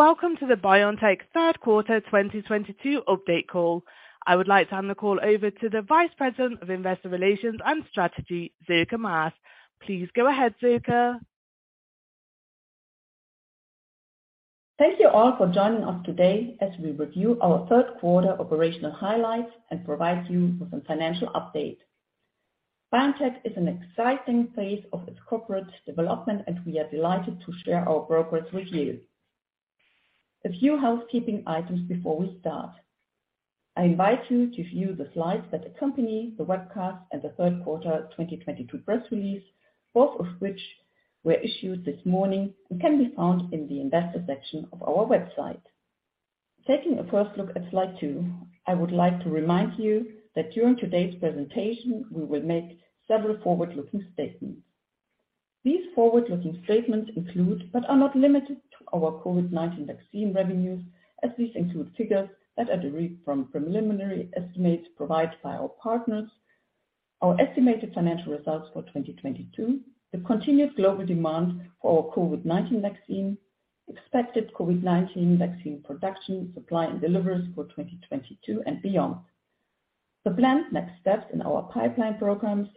Welcome to the BioNTech third quarter 2022 update call. I would like to hand the call over to the Vice President of Investor Relations and Strategy, Sylke Maas. Please go ahead, Sylke. Thank you all for joining us today as we review our third quarter operational highlights and provide you with a financial update. BioNTech is an exciting phase of its corporate development, and we are delighted to share our progress with you. A few housekeeping items before we start. I invite you to view the slides that accompany the webcast and the third quarter 2022 press release, both of which were issued this morning and can be found in the investor section of our website. Taking a first look at slide two, I would like to remind you that during today's presentation, we will make several forward-looking statements. These forward-looking statements include, but are not limited to, our COVID-19 vaccine revenues, as these include figures that are derived from preliminary estimates provided by our partners. Our estimated financial results for 2022, the continued global demand for our COVID-19 vaccine, expected COVID-19 vaccine production, supply and deliveries for 2022 and beyond. The planned next steps in our pipeline programs.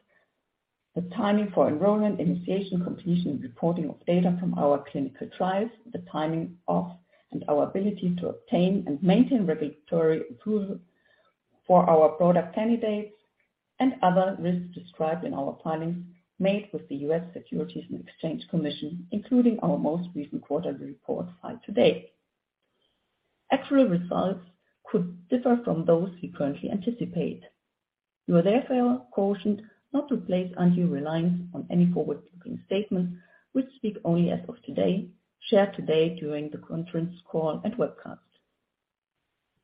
The timing for enrollment, initiation, completion, and reporting of data from our clinical trials. The timing of, and our ability to obtain and maintain regulatory approval for our product candidates and other risks described in our filings made with the U.S. Securities and Exchange Commission, including our most recent quarterly report filed today. Actual results could differ from those we currently anticipate. You are therefore cautioned not to place undue reliance on any forward-looking statements which speak only as of today, shared today during the conference call and webcast.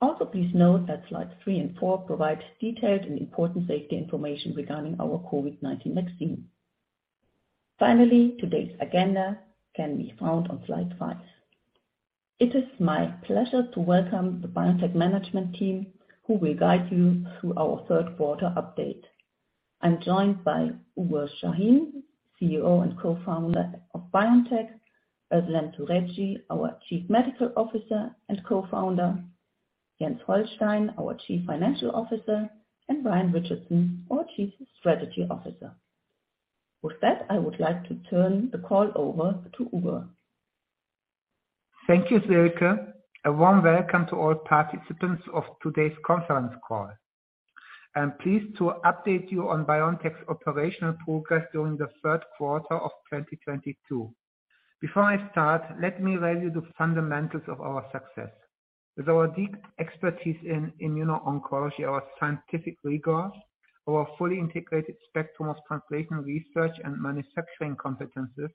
Also, please note that slides three and four provide detailed and important safety information regarding our COVID-19 vaccine. Finally, today's agenda can be found on slide five. It is my pleasure to welcome the BioNTech management team who will guide you through our third quarter update. I'm joined by Uğur Şahin, CEO and co-founder of BioNTech, Özlem Türeci, our Chief Medical Officer and co-founder, Jens Holstein, our Chief Financial Officer, and Ryan Richardson, our Chief Strategy Officer. With that, I would like to turn the call over to Uğur. Thank you, Sylke. A warm welcome to all participants of today's conference call. I'm pleased to update you on BioNTech's operational progress during the third quarter of 2022. Before I start, let me remind you the fundamentals of our success. With our deep expertise in immuno-oncology, our scientific rigor, our fully integrated spectrum of translation research and manufacturing competencies,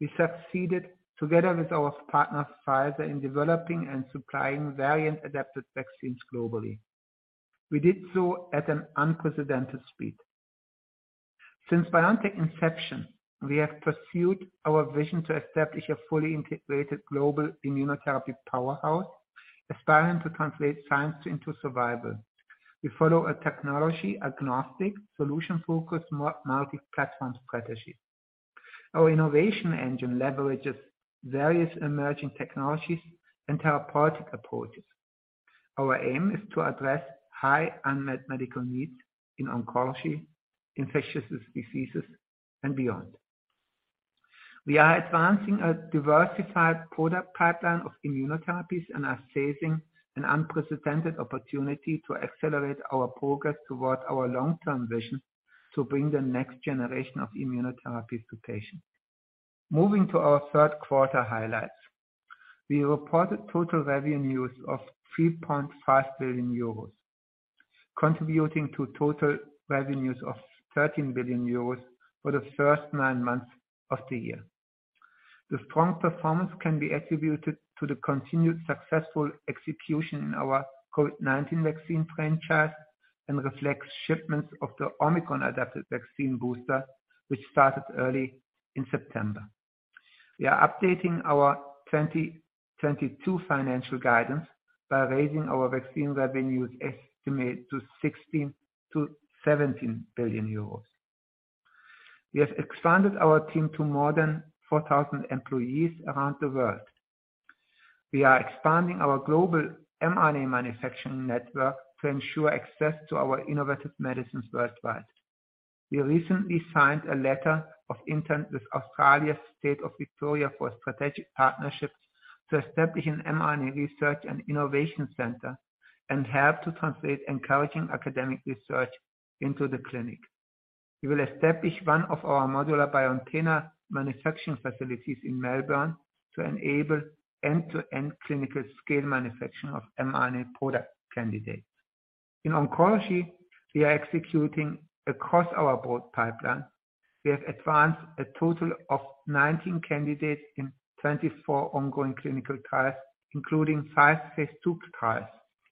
we succeeded together with our partner, Pfizer, in developing and supplying variant-adapted vaccines globally. We did so at an unprecedented speed. Since BioNTech inception, we have pursued our vision to establish a fully integrated global immunotherapy powerhouse, aspiring to translate science into survival. We follow a technology agnostic, solution-focused, multi-platform strategy. Our innovation engine leverages various emerging technologies and therapeutic approaches. Our aim is to address high unmet medical needs in oncology, infectious diseases and beyond. We are advancing a diversified product pipeline of immunotherapies and are seizing an unprecedented opportunity to accelerate our progress towards our long-term vision to bring the next generation of immunotherapy to patients. Moving to our third quarter highlights. We reported total revenues of 3.5 billion euros, contributing to total revenues of 13 billion euros for the first nine months of the year. The strong performance can be attributed to the continued successful execution in our COVID-19 vaccine franchise and reflects shipments of the Omicron-adapted vaccine booster, which started early in September. We are updating our 2022 financial guidance by raising our vaccine revenues estimate to 16 billion-17 billion euros. We have expanded our team to more than 4,000 employees around the world. We are expanding our global mRNA manufacturing network to ensure access to our innovative medicines worldwide. We recently signed a letter of intent with Australia's state of Victoria for a strategic partnership to establish an mRNA research and innovation center and help to translate encouraging academic research into the clinic. We will establish one of our modular BioNTech manufacturing facilities in Melbourne to enable end-to-end clinical scale manufacturing of mRNA product candidates. In oncology, we are executing across our broad pipeline. We have advanced a total of 19 candidates in 24 ongoing clinical trials, including five phase II trials.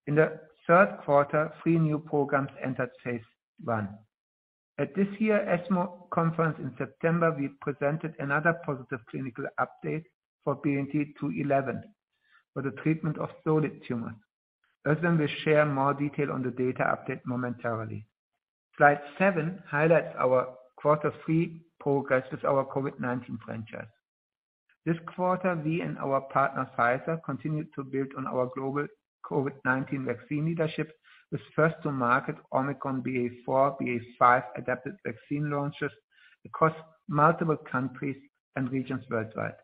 In the third quarter, three new programs entered phase I. At this year's ESMO Conference in September, we presented another positive clinical update for BNT211 or the treatment of solid tumors. Özlem will share more detail on the data update momentarily. Slide seven highlights our quarter three progress with our COVID-19 franchise. This quarter, we and our partner, Pfizer, continued to build on our global COVID-19 vaccine leadership with first-to-market Omicron BA.4, BA.5 adapted vaccine launches across multiple countries and regions worldwide.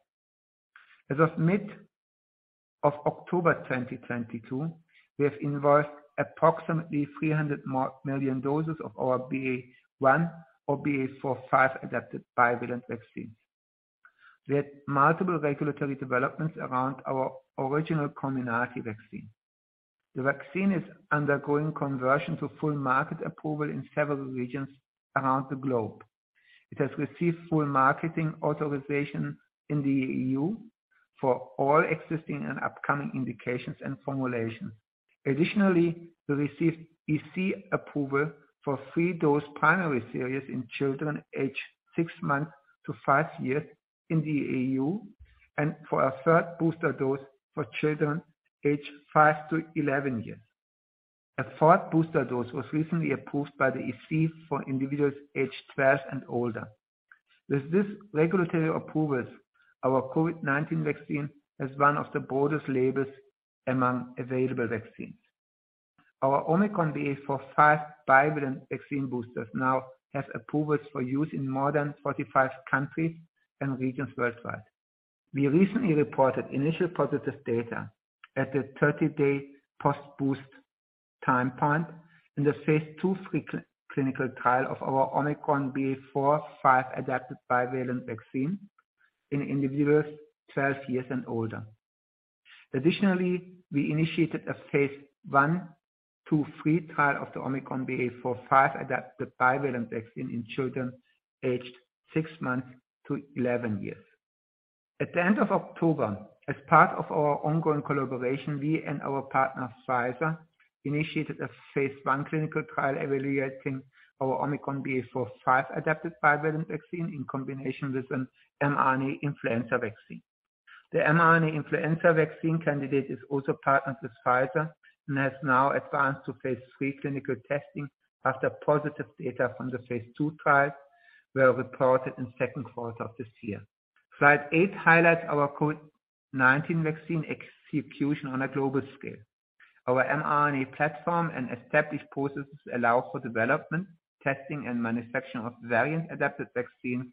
As of mid-October 2022, we have invoiced approximately 300 million doses of our BA.1 or BA.4/5 adapted bivalent vaccines. We had multiple regulatory developments around our original COMIRNATY vaccine. The vaccine is undergoing conversion to full market approval in several regions around the globe. It has received full marketing authorization in the EU for all existing and upcoming indications and formulations. Additionally, we received EC approval for three-dose primary series in children aged six months to five years in the EU, and for a third booster dose for children aged five to 11 years. A fourth booster dose was recently approved by the EC for individuals aged 12 and older. With these regulatory approvals, our COVID-19 vaccine has one of the broadest labels among available vaccines. Our Omicron BA.4/5 bivalent vaccine boosters now have approvals for use in more than 45 countries and regions worldwide. We recently reported initial positive data at the 30-day post-boost time point in phase II/III clinical trial of our Omicron BA.4/5 adapted bivalent vaccine in individuals 12 years and older. Additionally, we initiated a phase I to III trial of the Omicron BA.4/5 adapted bivalent vaccine in children aged six months to 11 years. At the end of October, as part of our ongoing collaboration, we and our partner, Pfizer, initiated a phase I clinical trial evaluating our Omicron BA.4/5 adapted bivalent vaccine in combination with an mRNA influenza vaccine. The mRNA influenza vaccine candidate is also partnered with Pfizer and has now advanced to phase III clinical testing after positive data from the phase II trial were reported in second quarter of this year. Slide eight highlights our COVID-19 vaccine execution on a global scale. Our mRNA platform and established processes allow for development, testing, and manufacturing of variant-adapted vaccines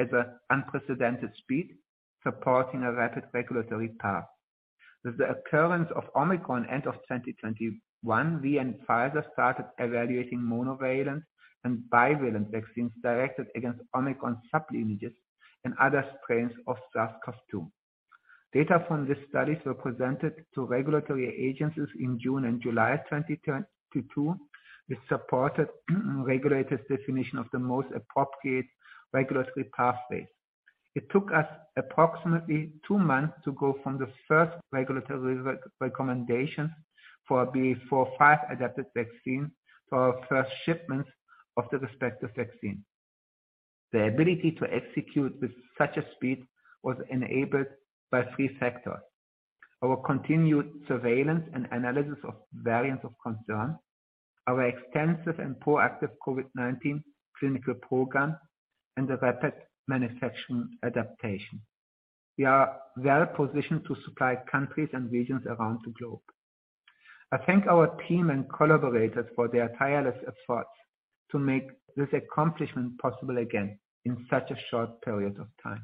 at an unprecedented speed, supporting a rapid regulatory path. With the occurrence of Omicron end of 2021, we and Pfizer started evaluating monovalent and bivalent vaccines directed against Omicron sub-lineages and other strains of SARS-CoV-2. Data from these studies were presented to regulatory agencies in June and July 2022, which supported regulators' definition of the most appropriate regulatory pathway. It took us approximately two months to go from the first regulatory recommendation for BA.4/5 adapted vaccine to our first shipments of the respective vaccine. The ability to execute with such a speed was enabled by three factors, our continued surveillance and analysis of variants of concern, our extensive and proactive COVID-19 clinical program, and the rapid manufacturing adaptation. We are well positioned to supply countries and regions around the globe. I thank our team and collaborators for their tireless efforts to make this accomplishment possible again in such a short period of time.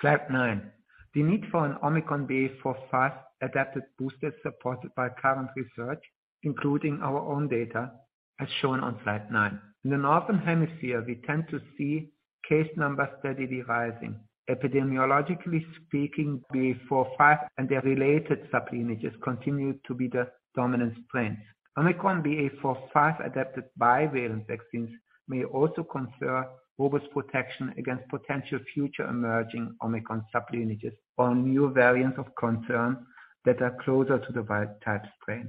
Slide nine. The need for an Omicron BA.4/5 adapted booster is supported by current research, including our own data, as shown on slide nine. In the Northern Hemisphere, we tend to see case numbers steadily rising. Epidemiologically speaking, BA.4/5 and their related sub-lineages continue to be the dominant strains. Omicron BA.4/5 adapted bivalent vaccines may also confer robust protection against potential future emerging Omicron sub-lineages or new variants of concern that are closer to the wild-type strain.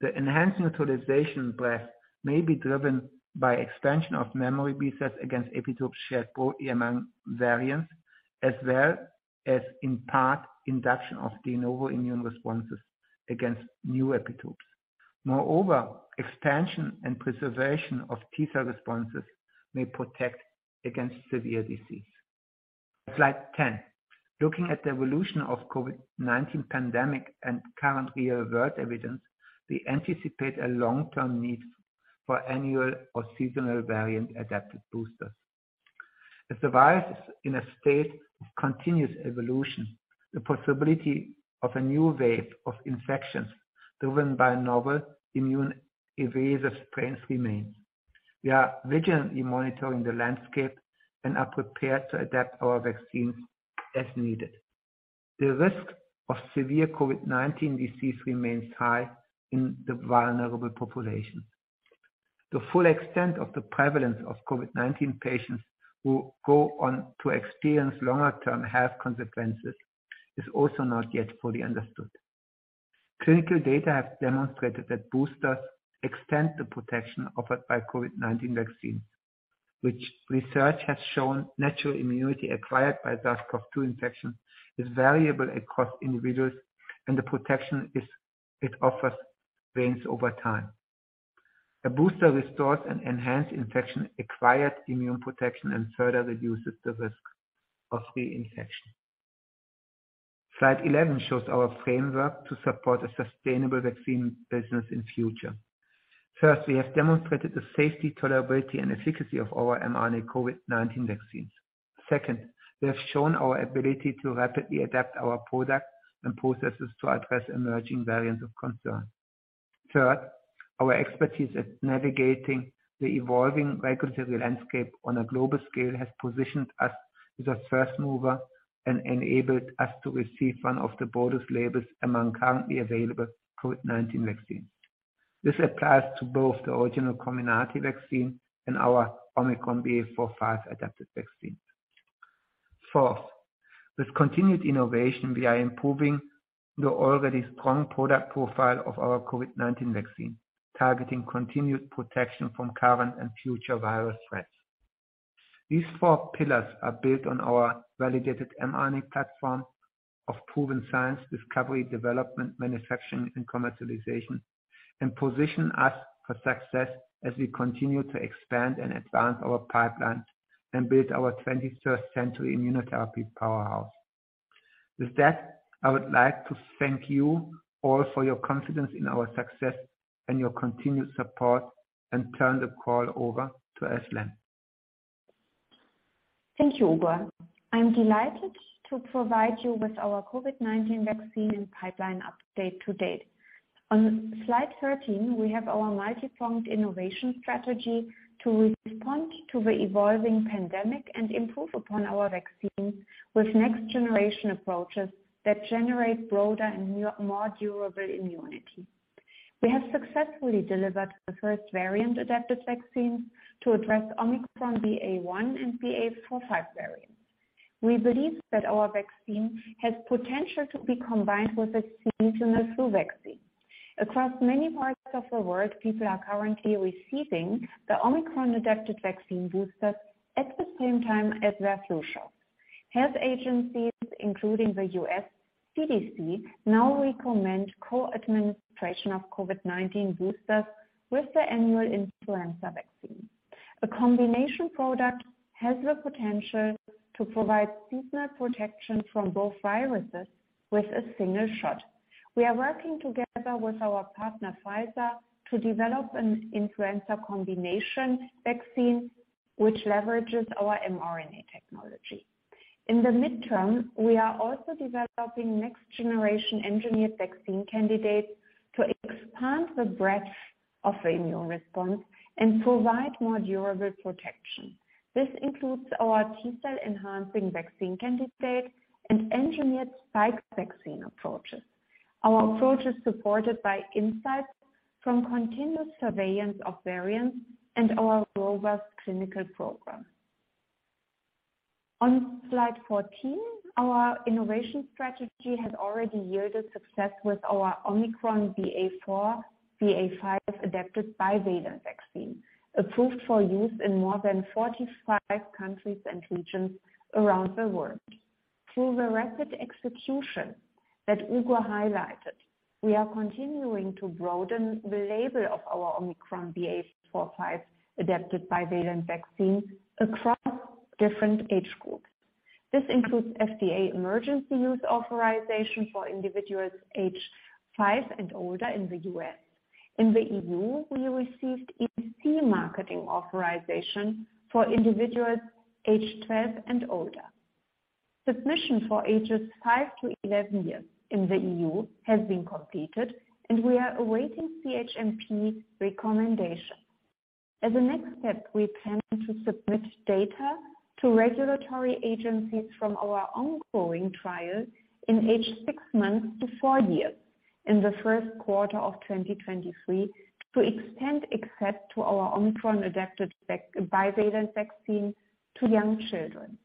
The enhanced neutralization breadth may be driven by expansion of memory B-cells against epitopes shared both among variants as well as in part induction of de novo immune responses against new epitopes. Moreover, expansion and preservation of T-cell responses may protect against severe disease. Slide 10. Looking at the evolution of COVID-19 pandemic and current real-world evidence, we anticipate a long-term need for annual or seasonal variant-adapted boosters. If the virus is in a state of continuous evolution, the possibility of a new wave of infections driven by novel immune-evasive strains remains. We are vigilantly monitoring the landscape and are prepared to adapt our vaccines as needed. The risk of severe COVID-19 disease remains high in the vulnerable population. The full extent of the prevalence of COVID-19 patients who go on to experience longer term health consequences is also not yet fully understood. Clinical data have demonstrated that boosters extend the protection offered by COVID-19 vaccines. Research has shown natural immunity acquired by SARS-CoV-2 infection is variable across individuals, and the protection it offers wanes over time. A booster restores and enhances infection-acquired immune protection, and further reduces the risk of reinfection. Slide 11 shows our framework to support a sustainable vaccine business in the future. First, we have demonstrated the safety, tolerability, and efficacy of our mRNA COVID-19 vaccines. Second, we have shown our ability to rapidly adapt our products and processes to address emerging variants of concern. Third, our expertise at navigating the evolving regulatory landscape on a global scale has positioned us as a first mover and enabled us to receive one of the broadest labels among currently available COVID-19 vaccines. This applies to both the original COMIRNATY vaccine and our Omicron BA.4, BA.5 adapted vaccine. Fourth, with continued innovation, we are improving the already strong product profile of our COVID-19 vaccine, targeting continued protection from current and future virus threats. These four pillars are built on our validated mRNA platform of proven science, discovery, development, manufacturing and commercialization, and position us for success as we continue to expand and advance our pipeline and build our 21st Century immunotherapy powerhouse. With that, I would like to thank you all for your confidence in our success and your continued support, and turn the call over to Özlem. Thank you, Uğur. I'm delighted to provide you with our COVID-19 vaccine and pipeline update to date. On Slide 13, we have our multipronged innovation strategy to respond to the evolving pandemic and improve upon our vaccine with next generation approaches that generate broader and more durable immunity. We have successfully delivered the first variant adapted vaccines to address Omicron BA.1 and BA.4/5 variants. We believe that our vaccine has potential to be combined with a seasonal flu vaccine. Across many parts of the world, people are currently receiving the Omicron adapted vaccine boosters at the same time as their flu shot. Health agencies, including the U.S. CDC, now recommend co-administration of COVID-19 boosters with the annual influenza vaccine. A combination product has the potential to provide seasonal protection from both viruses with a single shot. We are working together with our partner, Pfizer, to develop an influenza combination vaccine which leverages our mRNA technology. In the midterm, we are also developing next generation engineered vaccine candidates to expand the breadth of the immune response and provide more durable protection. This includes our T-cell enhancing vaccine candidates and engineered spike vaccine approaches. Our approach is supported by insights from continuous surveillance of variants and our robust clinical program. On Slide 14, our innovation strategy has already yielded success with our Omicron BA.4, BA.5 adapted bivalent vaccine, approved for use in more than 45 countries and regions around the world. Through the rapid execution that Uğur highlighted, we are continuing to broaden the label of our Omicron BA.4/5 adapted bivalent vaccine across different age groups. This includes FDA emergency use authorization for individuals aged five and older in the U.S. In the EU, we received EC Marketing Authorization for individuals aged 12 and older. Submission for ages five-11 years in the EU has been completed and we are awaiting CHMP recommendation. As a next step, we plan to submit data to regulatory agencies from our ongoing trial in ages six months to four years in the first quarter of 2023 to extend access to our Omicron-adapted bivalent vaccine to young children.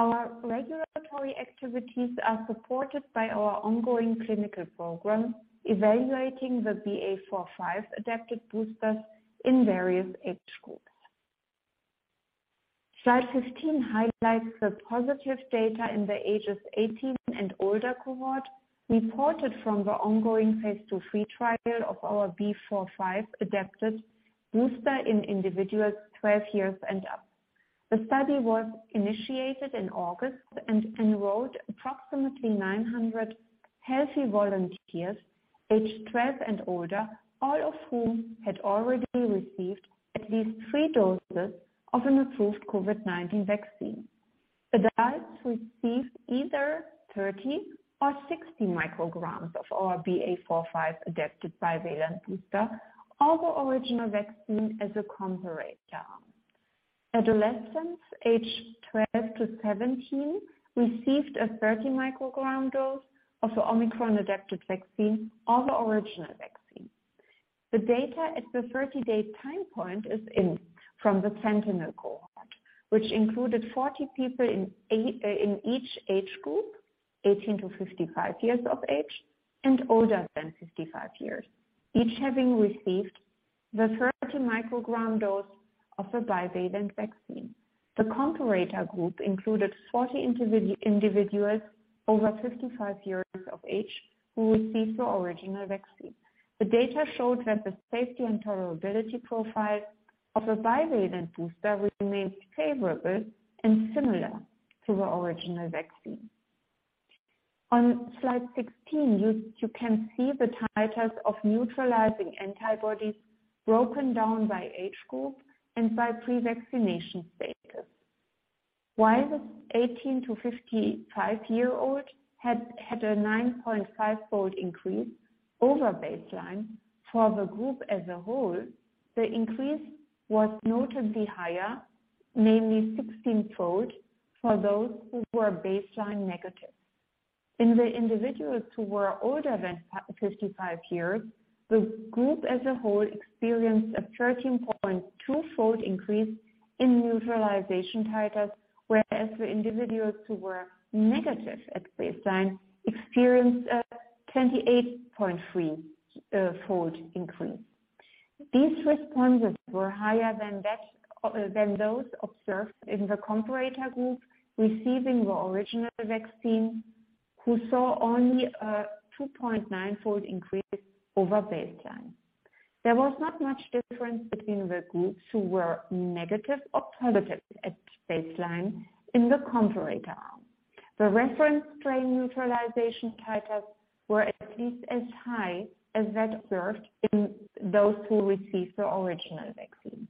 Our regulatory activities are supported by our ongoing clinical program evaluating the BA.4/5-adapted boosters in various age groups. Slide 15 highlights the positive data in the ages 18 and older cohort reported from the phase II/III trial of our BA.4/5-adapted booster in individuals 12 years and up. The study was initiated in August and enrolled approximately 900 healthy volunteers aged 12 and older, all of whom had already received at least three doses of an approved COVID-19 vaccine. Adults received either 30 or 60 micrograms of our BA.4/5 adapted bivalent booster or the original vaccine as a comparator arm. Adolescents aged 12 to 17 received a 30 microgram dose of the Omicron adapted vaccine or the original vaccine. The data at the 30-day time point is in from the sentinel cohort, which included 40 people in each age group, 18 to 55 years of age and older than 55 years, each having received the 30 microgram dose of the bivalent vaccine. The comparator group included 40 individuals over 55 years of age who received the original vaccine. The data showed that the safety and tolerability profile of a bivalent booster remains favorable and similar to the original vaccine. On slide 16, you can see the titers of neutralizing antibodies broken down by age group and by pre-vaccination status. While the 18-55-year-old had a 9.5-fold increase over baseline for the group as a whole, the increase was notably higher, namely 16-fold, for those who were baseline negative. In the individuals who were older than 55 years, the group as a whole experienced a 13.2-fold increase in neutralization titers, whereas the individuals who were negative at baseline experienced a 28.3-fold increase. These responses were higher than that, than those observed in the comparator group receiving the original vaccine, who saw only a 2.9-fold increase over baseline. There was not much difference between the groups who were negative or positive at baseline in the comparator arm. The reference strain neutralization titers were at least as high as that observed in those who received the original vaccine.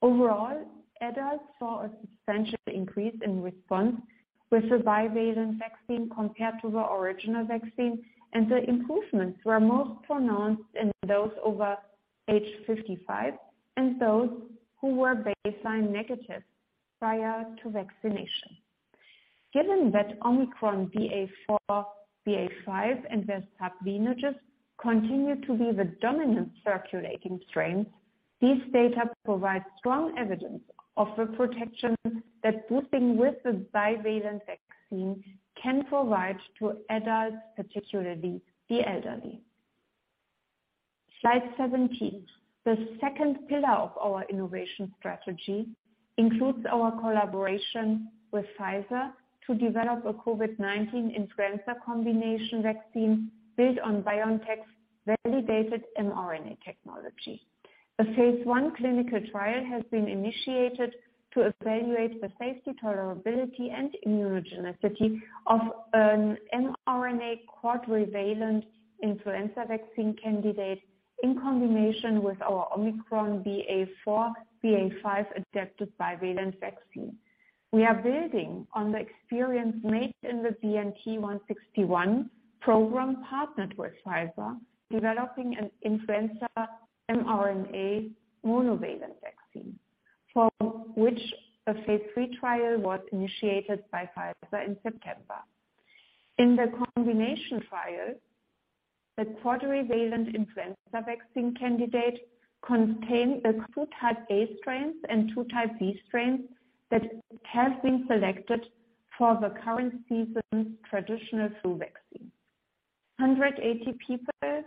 Overall, adults saw a substantial increase in response with the bivalent vaccine compared to the original vaccine, and the improvements were most pronounced in those over age 55 and those who were baseline negative prior to vaccination. Given that Omicron BA.4, BA.5 and their sublineages continue to be the dominant circulating strains, these data provide strong evidence of the protection that boosting with the bivalent vaccine can provide to adults, particularly the elderly. Slide 17. The second pillar of our innovation strategy includes our collaboration with Pfizer to develop a COVID-19 influenza combination vaccine built on BioNTech's validated mRNA technology. A phase I clinical trial has been initiated to evaluate the safety, tolerability, and immunogenicity of an mRNA quadrivalent influenza vaccine candidate in combination with our Omicron BA.4/BA.5-adapted bivalent vaccine. We are building on the experience made in the BNT161 program partnered with Pfizer, developing an influenza mRNA monovalent vaccine for which a phase III trial was initiated by Pfizer in September. In the combination trial, the quadrivalent influenza vaccine candidate contained the two type A strains and two type B strains that have been selected for the current season's traditional flu vaccine. 180 people,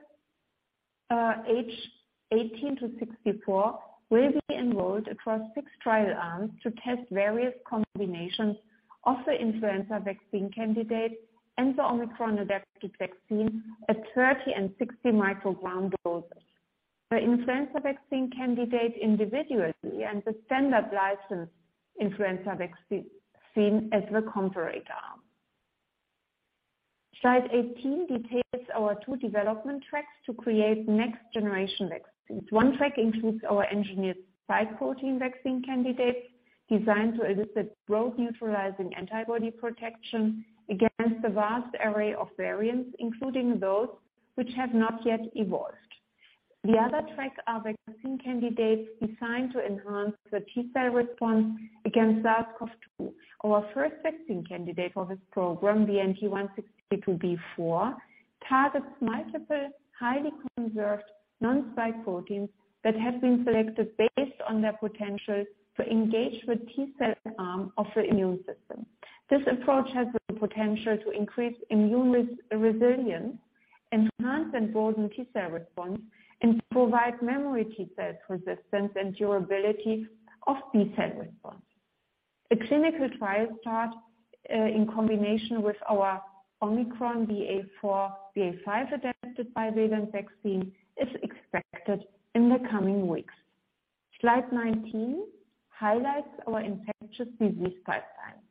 age 18 to 64 will be enrolled across six trial arms to test various combinations of the influenza vaccine candidate and the Omicron vaccine, at 30 and 60 microgram doses. The influenza vaccine candidate individually and the standard licensed influenza vaccine as the comparator arm. Slide 18 details our two development tracks to create next generation vaccines. One track includes our engineered spike protein vaccine candidates designed to elicit broad neutralizing antibody protection against the vast array of variants, including those which have not yet evolved. The other track are vaccine candidates designed to enhance the T-cell response against SARS-CoV-2. Our first vaccine candidate for this program, BNT162b4, targets multiple highly conserved non-spike proteins that have been selected based on their potential to engage the T-cell arm of the immune system. This approach has the potential to increase immune resilience, enhance and broaden T-cell response, and provide memory T-cells resistance and durability of B-cell response. A clinical trial start in combination with our Omicron BA.4, BA.5 adapted bivalent vaccine is expected in the coming weeks. Slide 19 highlights our infectious disease pipeline.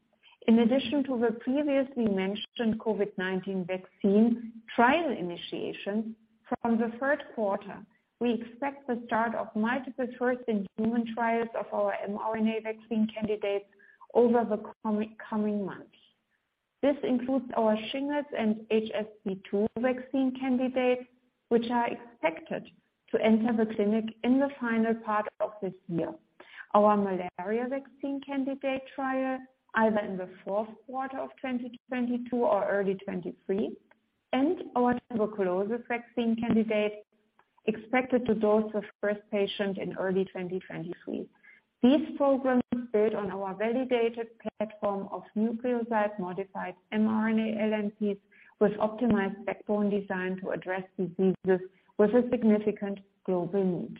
In addition to the previously mentioned COVID-19 vaccine trial initiation from the third quarter, we expect the start of multiple first-in-human trials of our mRNA vaccine candidates over the coming months. This includes our shingles and HSV-2 vaccine candidates, which are expected to enter the clinic in the final part of this year. Our malaria vaccine candidate trial either in the fourth quarter of 2022 or early 2023, and our tuberculosis vaccine candidate expected to dose the first patient in early 2023. These programs build on our validated platform of nucleoside-modified mRNA LNPs with optimized backbone design to address diseases with a significant global need.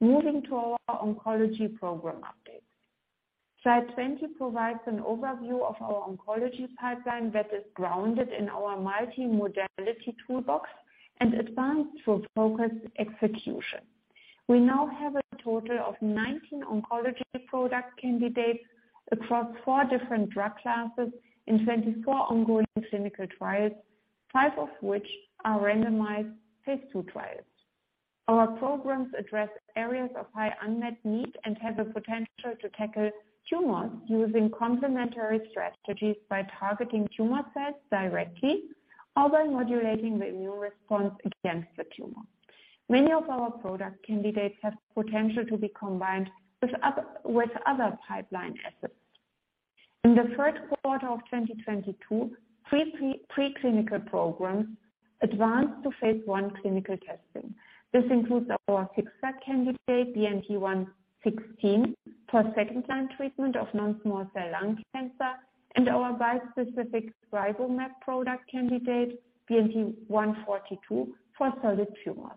Moving to our oncology program updates. Slide 20 provides an overview of our oncology pipeline that is grounded in our multimodality toolbox and advanced through focused execution. We now have a total of 19 oncology product candidates across four different drug classes in 24 ongoing clinical trials, five of which are randomized phase II trials. Our programs address areas of high unmet need and have the potential to tackle tumors using complementary strategies by targeting tumor cells directly or by modulating the immune response against the tumor. Many of our product candidates have potential to be combined with other pipeline assets. In the first quarter of 2022, three preclinical programs advanced to phase I clinical testing. This includes our FixVac candidate, BNT116, for second-line treatment of non-small cell lung cancer and our bispecific RiboMab product candidate, BNT142, for solid tumors.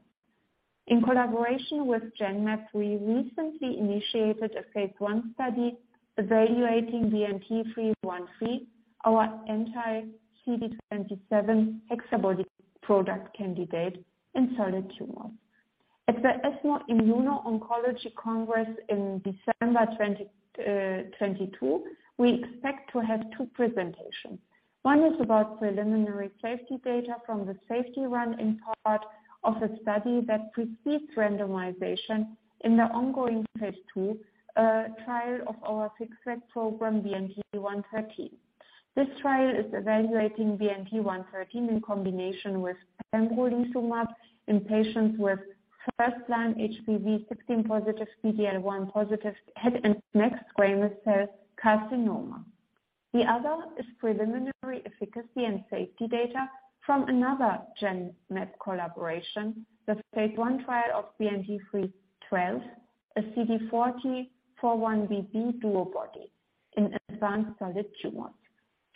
In collaboration with Genmab, we recently initiated a phase I study evaluating BNT313, our anti-CD27 HexaBody product candidate in solid tumors. At the ESMO Immuno-Oncology Congress in December 2022, we expect to have two presentations. One is about preliminary safety data from the safety run-in part of a study that precedes randomization in the ongoing phase II trial of our FixVac program, BNT113. This trial is evaluating BNT113 in combination with pembrolizumab in patients with first-line HPV16-positive, PD-L1-positive head and neck squamous cell carcinoma. The other is preliminary efficacy and safety data from another Genmab collaboration, the phase I trial of BNT312, a CD40 4-1BB DuoBody in advanced solid tumors.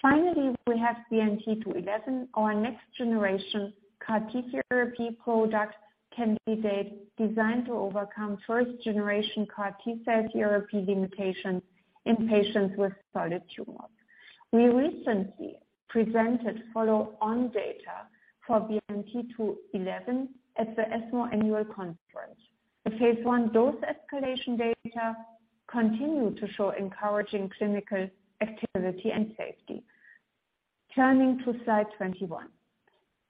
Finally, we have BNT211, our next generation CAR-T cell therapy product candidate designed to overcome first generation CAR-T cell therapy limitations in patients with solid tumors. We recently presented follow-on data for BNT211 at the ESMO annual conference. The phase I dose escalation data continue to show encouraging clinical activity and safety. Turning to slide 21.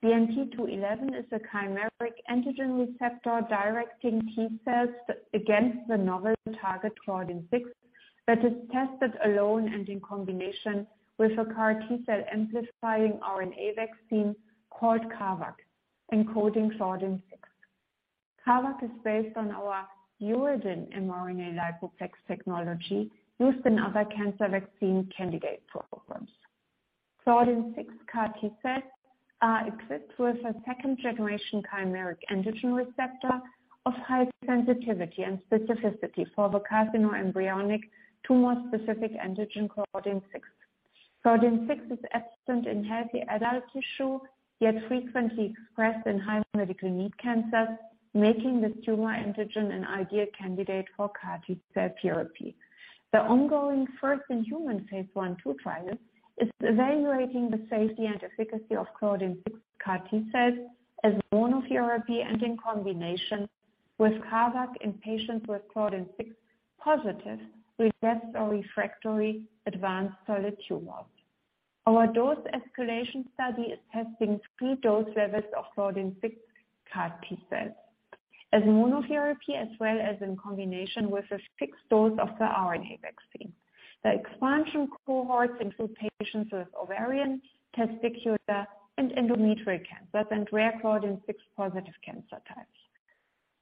BNT211 is a chimeric antigen receptor directing T-cells against the novel target, Claudin-6, that is tested alone and in combination with CAR-T cell amplifying RNA vaccine called CARVac, encoding Claudin-6. CARVac is based on our uridine mRNA-lipoplex technology used in other cancer vaccine candidate programs. CAR-T cells equipped with a second-generation chimeric antigen receptor of high sensitivity and specificity for the carcinoembryonic tumor-specific antigen Claudin-6. Claudin-6 is absent in healthy adult tissue, yet frequently expressed in high medical need cancers, making this tumor antigen an ideal candidate CAR-T cell therapy. The ongoing first-in-human phase I/II trials is evaluating the safety and efficacy of CAR-T cells as monotherapy and in combination with CARVac in patients with Claudin-6-positive, relapsed or refractory advanced solid tumors. Our dose escalation study is testing three dose levels of Claudin-6 CAR-T cells as monotherapy as well as in combination with a fixed dose of the RNA vaccine. The expansion cohorts include patients with ovarian, testicular and endometrial cancers and rare Claudin-6-positive cancer types.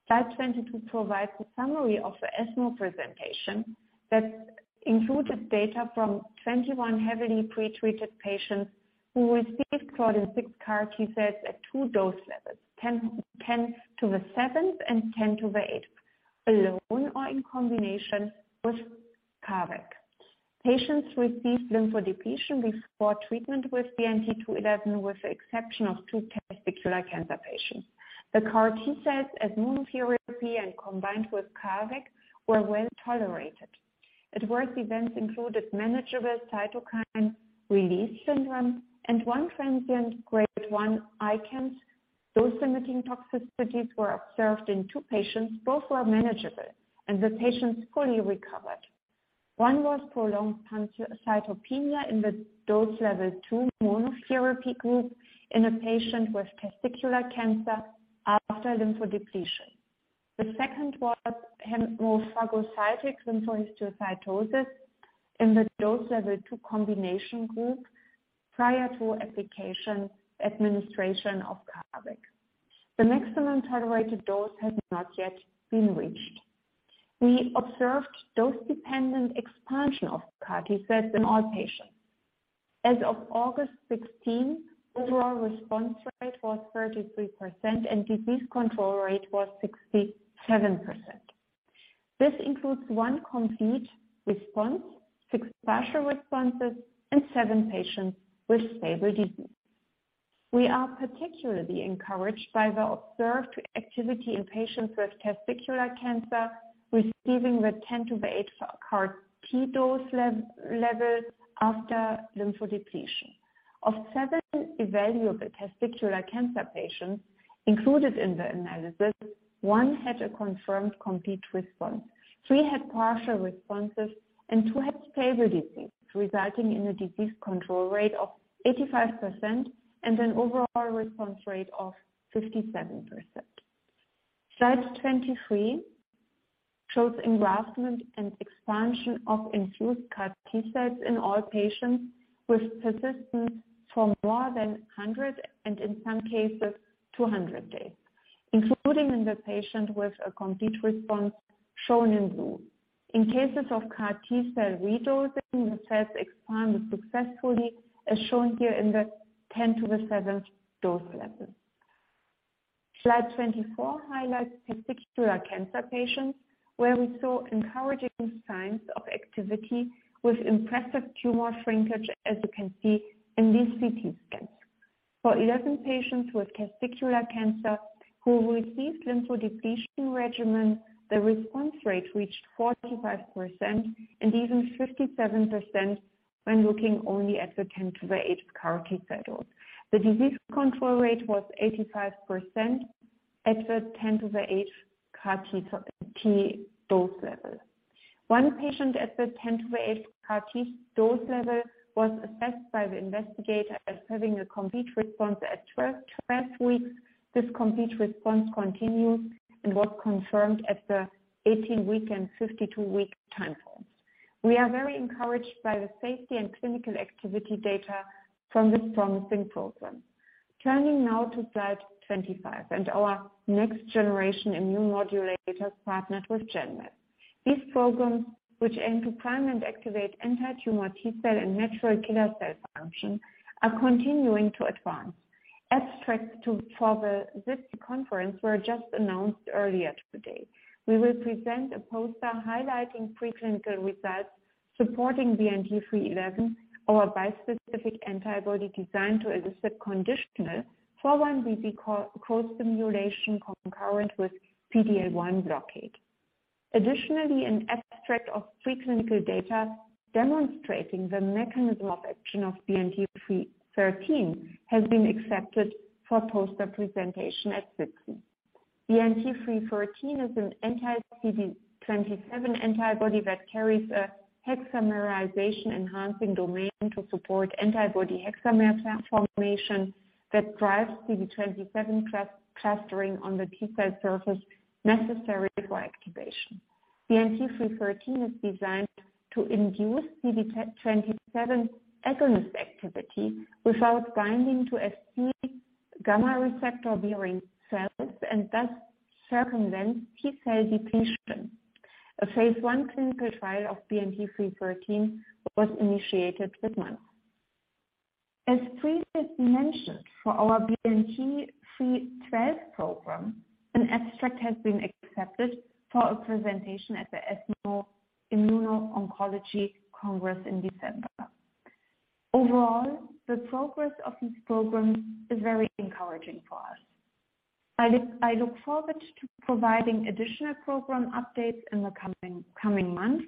Slide 22 provides a summary of the ESMO presentation that included data from 21 heavily pretreated patients who received Claudin-6 CAR-T cells at two dose levels, 10^7 and 10^8, alone or in combination with CARVac. Patients received lymphodepletion before treatment with BNT211, with the exception of two testicular cancer patients. The CAR-T cells as monotherapy and combined with CARVac were well-tolerated. Adverse events included manageable cytokine release syndrome and one transient grade one ICANS. Dose-limiting toxicities were observed in two patients. Both were manageable and the patients fully recovered. One was prolonged pancytopenia in the dose level two monotherapy group in a patient with testicular cancer after lymphodepletion. The second was hemophagocytic lymphohistiocytosis in the dose level two combination group prior to application administration of CARVac. The maximum tolerated dose has not yet been reached. We observed dose-dependent expansion of CAR-T-cells in all patients. As of August 16, overall response rate was 33% and disease control rate was 67%. This includes one complete response, six partial responses, and seven patients with stable disease. We are particularly encouraged by the observed activity in patients with testicular cancer receiving the 10^8 CAR-T dose levels after lymphodepletion. Of seven evaluable testicular cancer patients included in the analysis, one had a confirmed complete response, three had partial responses, and two had stable disease, resulting in a disease control rate of 85% and an overall response rate of 57%. Slide 23 shows engraftment and expansion of infused CAR-T-cells in all patients with persistence for more than 100, and in some cases 200 days, including in the patient with a complete response shown in blue. In cases of CAR-T cell redosing, the cells expanded successfully, as shown here in the 10^7 dose level. Slide 24 highlights testicular cancer patients where we saw encouraging signs of activity with impressive tumor shrinkage, as you can see in these CT scans. For 11 patients with testicular cancer who received lymphodepletion regimen, the response rate reached 45% and even 57% when looking only at the 10^8 CAR-T cells. The disease control rate was 85% at the 10^8 CAR-T dose level. One patient at the 10^8 CAR-T dose level was assessed by the investigator as having a complete response at 12 weeks. This complete response continued and was confirmed at the 18-week and 52-week time points. We are very encouraged by the safety and clinical activity data from this promising program. Turning now to slide 25 and our next generation immunomodulators partnered with Genmab. These programs, which aim to prime and activate anti-tumor T-cell and natural killer cell function, are continuing to advance. Abstracts for the SITC conference were just announced earlier today. We will present a poster highlighting preclinical results supporting BNT311, our bispecific antibody designed to elicit conditional 4-1BB co-stimulation concurrent with PD-L1 blockade. Additionally, an abstract of preclinical data demonstrating the mechanism of action of BNT313 has been accepted for poster presentation at SITC. BNT313 is an anti-CD27 antibody that carries a hexamerization enhancing domain to support antibody hexamer transformation that drives CD27 clustering on the T-cell surface necessary for activation. BNT313 is designed to induce CD27 agonist activity without binding to an Fc gamma receptor bearing cells and thus circumvent T-cell depletion. A phase I clinical trial of BNT313 was initiated this month. As previously mentioned, for our BNT312 program, an abstract has been accepted for a presentation at the ESMO Immuno-Oncology Congress in December. Overall, the progress of these programs is very encouraging for us. I look forward to providing additional program updates in the coming months.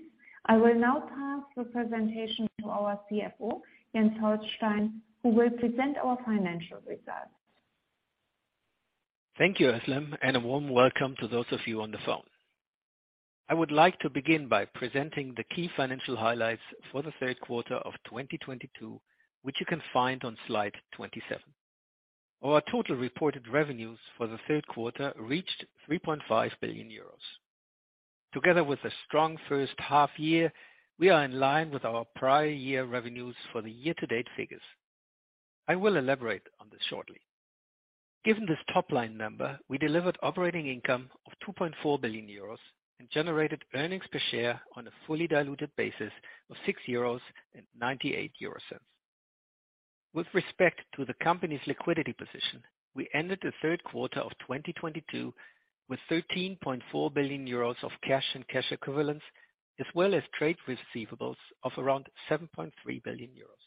I will now pass the presentation to our CFO, Jens Holstein, who will present our financial results. Thank you, Özlem, and a warm welcome to those of you on the phone. I would like to begin by presenting the key financial highlights for the third quarter of 2022, which you can find on slide 27. Our total reported revenues for the third quarter reached 3.5 billion euros. Together with a strong first half year, we are in line with our prior year revenues for the year-to-date figures. I will elaborate on this shortly. Given this top-line number, we delivered operating income of 2.4 billion euros and generated earnings per share on a fully diluted basis of 6.98 euros. With respect to the company's liquidity position, we ended the third quarter of 2022 with 13.4 billion euros of cash and cash equivalents, as well as trade receivables of around 7.3 billion euros.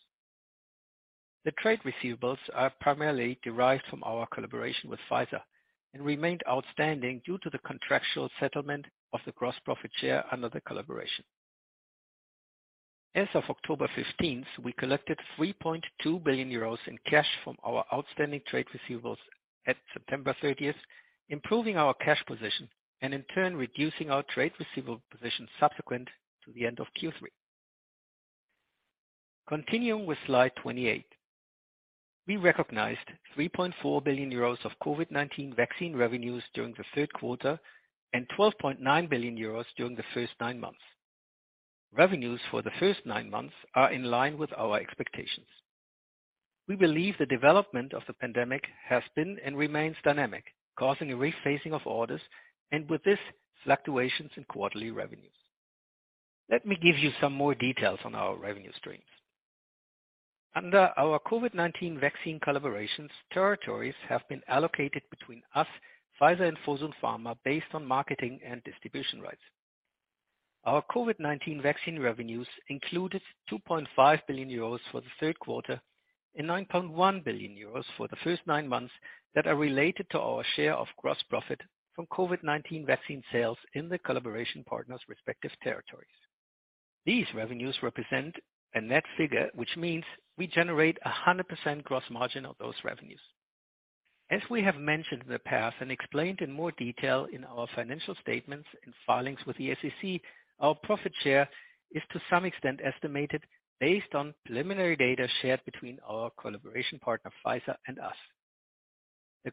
The trade receivables are primarily derived from our collaboration with Pfizer and remained outstanding due to the contractual settlement of the gross profit share under the collaboration. As of October 15th, we collected 3.2 billion euros in cash from our outstanding trade receivables at September 30th, improving our cash position and in turn, reducing our trade receivable position subsequent to the end of Q3. Continuing with slide 28. We recognized 3.4 billion euros of COVID-19 vaccine revenues during the third quarter and 12.9 billion euros during the first nine months. Revenues for the first nine months are in line with our expectations. We believe the development of the pandemic has been and remains dynamic, causing a rephasing of orders, and with this, fluctuations in quarterly revenues. Let me give you some more details on our revenue streams. Under our COVID-19 vaccine collaborations, territories have been allocated between us, Pfizer, and Fosun Pharma based on marketing and distribution rights. Our COVID-19 vaccine revenues included 2.5 billion euros for the third quarter and 9.1 billion euros for the first nine months that are related to our share of gross profit from COVID-19 vaccine sales in the collaboration partners' respective territories. These revenues represent a net figure, which means we generate a 100% gross margin of those revenues. As we have mentioned in the past and explained in more detail in our financial statements and filings with the SEC, our profit share is to some extent estimated based on preliminary data shared between our collaboration partner, Pfizer and us. The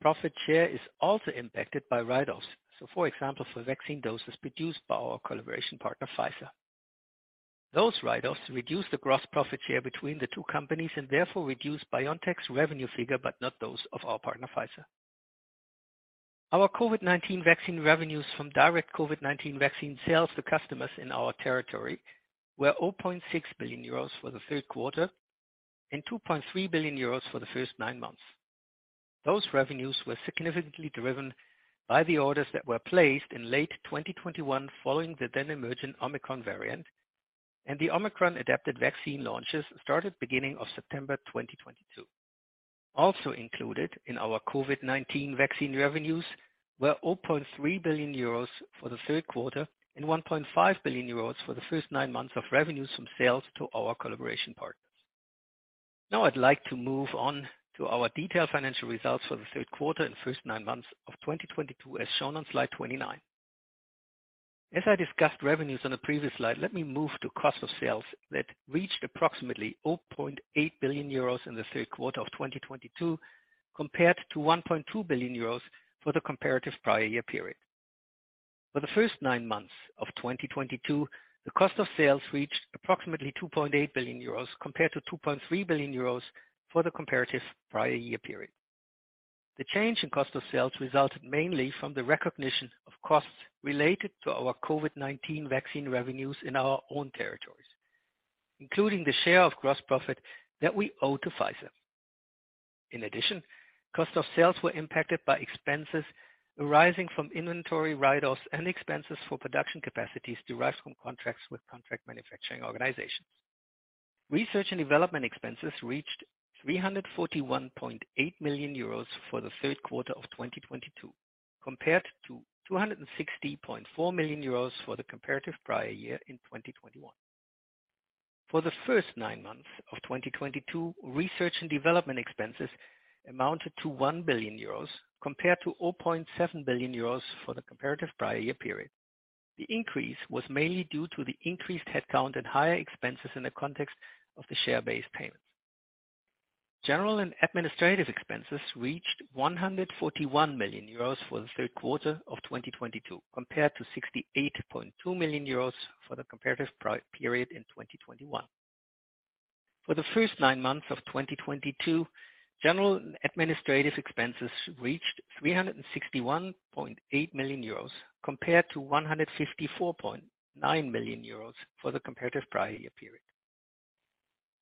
gross profit share is also impacted by write-offs. For example, for vaccine doses produced by our collaboration partner, Pfizer. Those write-offs reduce the gross profit share between the two companies and therefore reduce BioNTech's revenue figure, but not those of our partner, Pfizer. Our COVID-19 vaccine revenues from direct COVID-19 vaccine sales to customers in our territory were 0.6 billion euros for the third quarter and 2.3 billion euros for the first nine months. Those revenues were significantly driven by the orders that were placed in late 2021 following the then emergent Omicron variant, and the Omicron-adapted vaccine launches started beginning of September 2022. Also included in our COVID-19 vaccine revenues were 0.3 billion euros for the third quarter and 1.5 billion euros for the first nine months of revenues from sales to our collaboration partners. Now I'd like to move on to our detailed financial results for the third quarter and first nine months of 2022 as shown on slide 29. As I discussed revenues on the previous slide, let me move to cost of sales that reached approximately 0.8 billion euros in the third quarter of 2022, compared to 1.2 billion euros for the comparative prior year period. For the first nine months of 2022, the cost of sales reached approximately 2.8 billion euros compared to 2.3 billion euros for the comparative prior year period. The change in cost of sales resulted mainly from the recognition of costs related to our COVID-19 vaccine revenues in our own territories, including the share of gross profit that we owe to Pfizer. In addition, cost of sales were impacted by expenses arising from inventory write-offs and expenses for production capacities derived from contracts with contract manufacturing organizations. Research and development expenses reached 341.8 million euros for the third quarter of 2022, compared to 260.4 million euros for the comparative prior year in 2021. For the first nine months of 2022, research and development expenses amounted to 1 billion euros compared to 0.7 billion euros for the comparative prior year period. The increase was mainly due to the increased headcount and higher expenses in the context of the share-based payments. General and administrative expenses reached 141 million euros for the third quarter of 2022, compared to 68.2 million euros for the comparative prior period in 2021. For the first nine months of 2022, general and administrative expenses reached 361.8 million euros compared to 154.9 million euros for the comparative prior year period.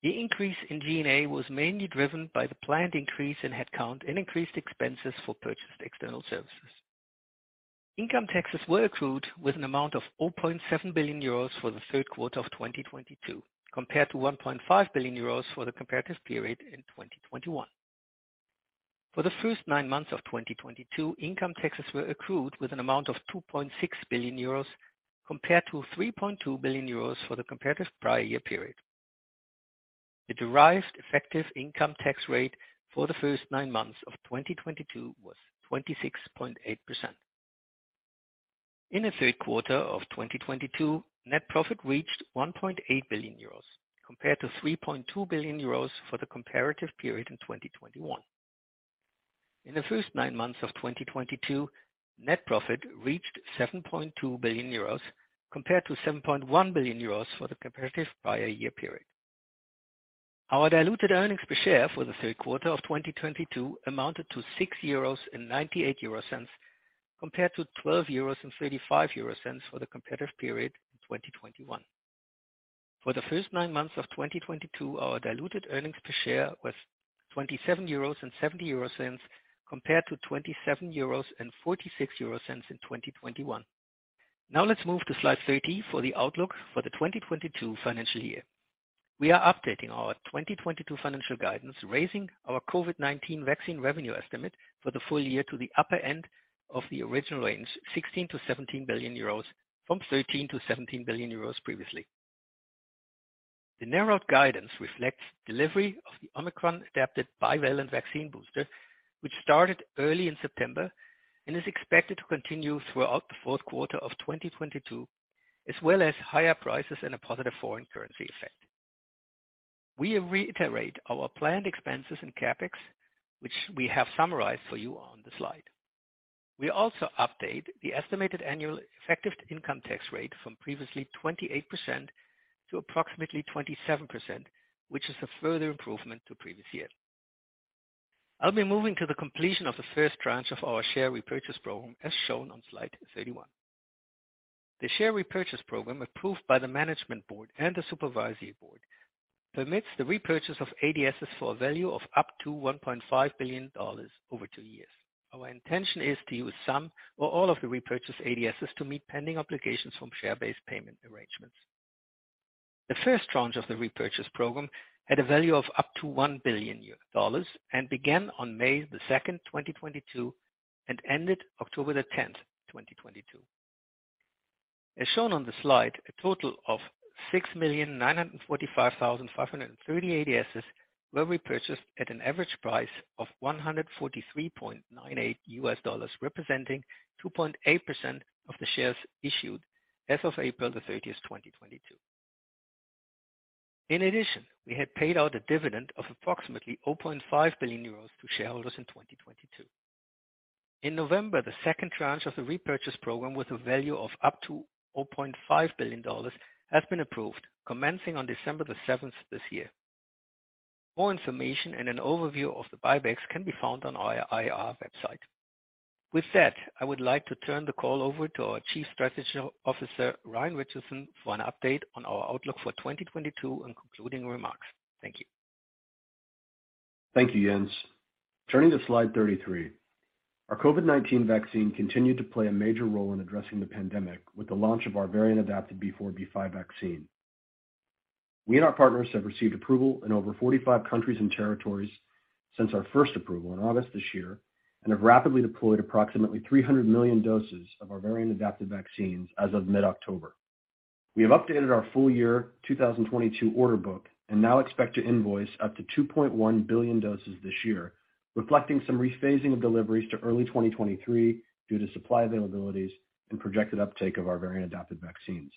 The increase in G&A was mainly driven by the planned increase in headcount and increased expenses for purchased external services. Income taxes were accrued with an amount of 0.7 billion euros for the third quarter of 2022, compared to 1.5 billion euros for the comparative period in 2021. For the first nine months of 2022, income taxes were accrued with an amount of 2.6 billion euros compared to 3.2 billion euros for the comparative prior year period. The derived effective income tax rate for the first nine months of 2022 was 26.8%. In the third quarter of 2022, net profit reached 1.8 billion euros compared to 3.2 billion euros for the comparative period in 2021. In the first nine months of 2022, net profit reached 7.2 billion euros compared to 7.1 billion euros for the comparative prior year period. Our diluted earnings per share for the third quarter of 2022 amounted to 6.98 euros compared to 12.35 euros for the comparative period in 2021. For the first nine months of 2022, our diluted earnings per share was 27.70 euros compared to 27.46 euros in 2021. Now let's move to slide 30 for the outlook for the 2022 financial year. We are updating our 2022 financial guidance, raising our COVID-19 vaccine revenue estimate for the full year to the upper end of the original range, 16 billion-17 billion euros from 13 billion-17 billion euros previously. The narrowed guidance reflects delivery of the Omicron-adapted bivalent vaccine booster, which started early in September and is expected to continue throughout the fourth quarter of 2022, as well as higher prices and a positive foreign currency effect. We reiterate our planned expenses in CapEx, which we have summarized for you on the slide. We also update the estimated annual effective income tax rate from previously 28% to approximately 27%, which is a further improvement to previous years. I'll be moving to the completion of the first tranche of our share repurchase program as shown on slide 31. The share repurchase program approved by the management board and the supervisory board permits the repurchase of ADSs for a value of up to $1.5 billion over two years. Our intention is to use some or all of the repurchased ADSs to meet pending obligations from share-based payment arrangements. The first tranche of the repurchase program had a value of up to $1 billion and began on May the 2nd, 2022, and ended October the 10th, 2022. As shown on the slide, a total of 6,945,530 ADSs were repurchased at an average price of $143.98, representing 2.8% of the shares issued as of April the 30th, 2022. In addition, we had paid out a dividend of approximately 0.5 billion euros to shareholders in 2022. In November, the second tranche of the repurchase program with a value of up to $0.5 billion has been approved, commencing on December the 7th this year. More information and an overview of the buybacks can be found on our IR website. With that, I would like to turn the call over to our Chief Strategic Officer, Ryan Richardson, for an update on our outlook for 2022 and concluding remarks. Thank you. Thank you, Jens. Turning to slide 33. Our COVID-19 vaccine continued to play a major role in addressing the pandemic with the launch of our variant-adapted BA.4/BA.5 vaccine. We and our partners have received approval in over 45 countries and territories since our first approval in August this year, and have rapidly deployed approximately 300 million doses of our variant-adapted vaccines as of mid-October. We have updated our full year 2022 order book and now expect to invoice up to 2.1 billion doses this year, reflecting some rephasing of deliveries to early 2023 due to supply availabilities and projected uptake of our variant-adapted vaccines.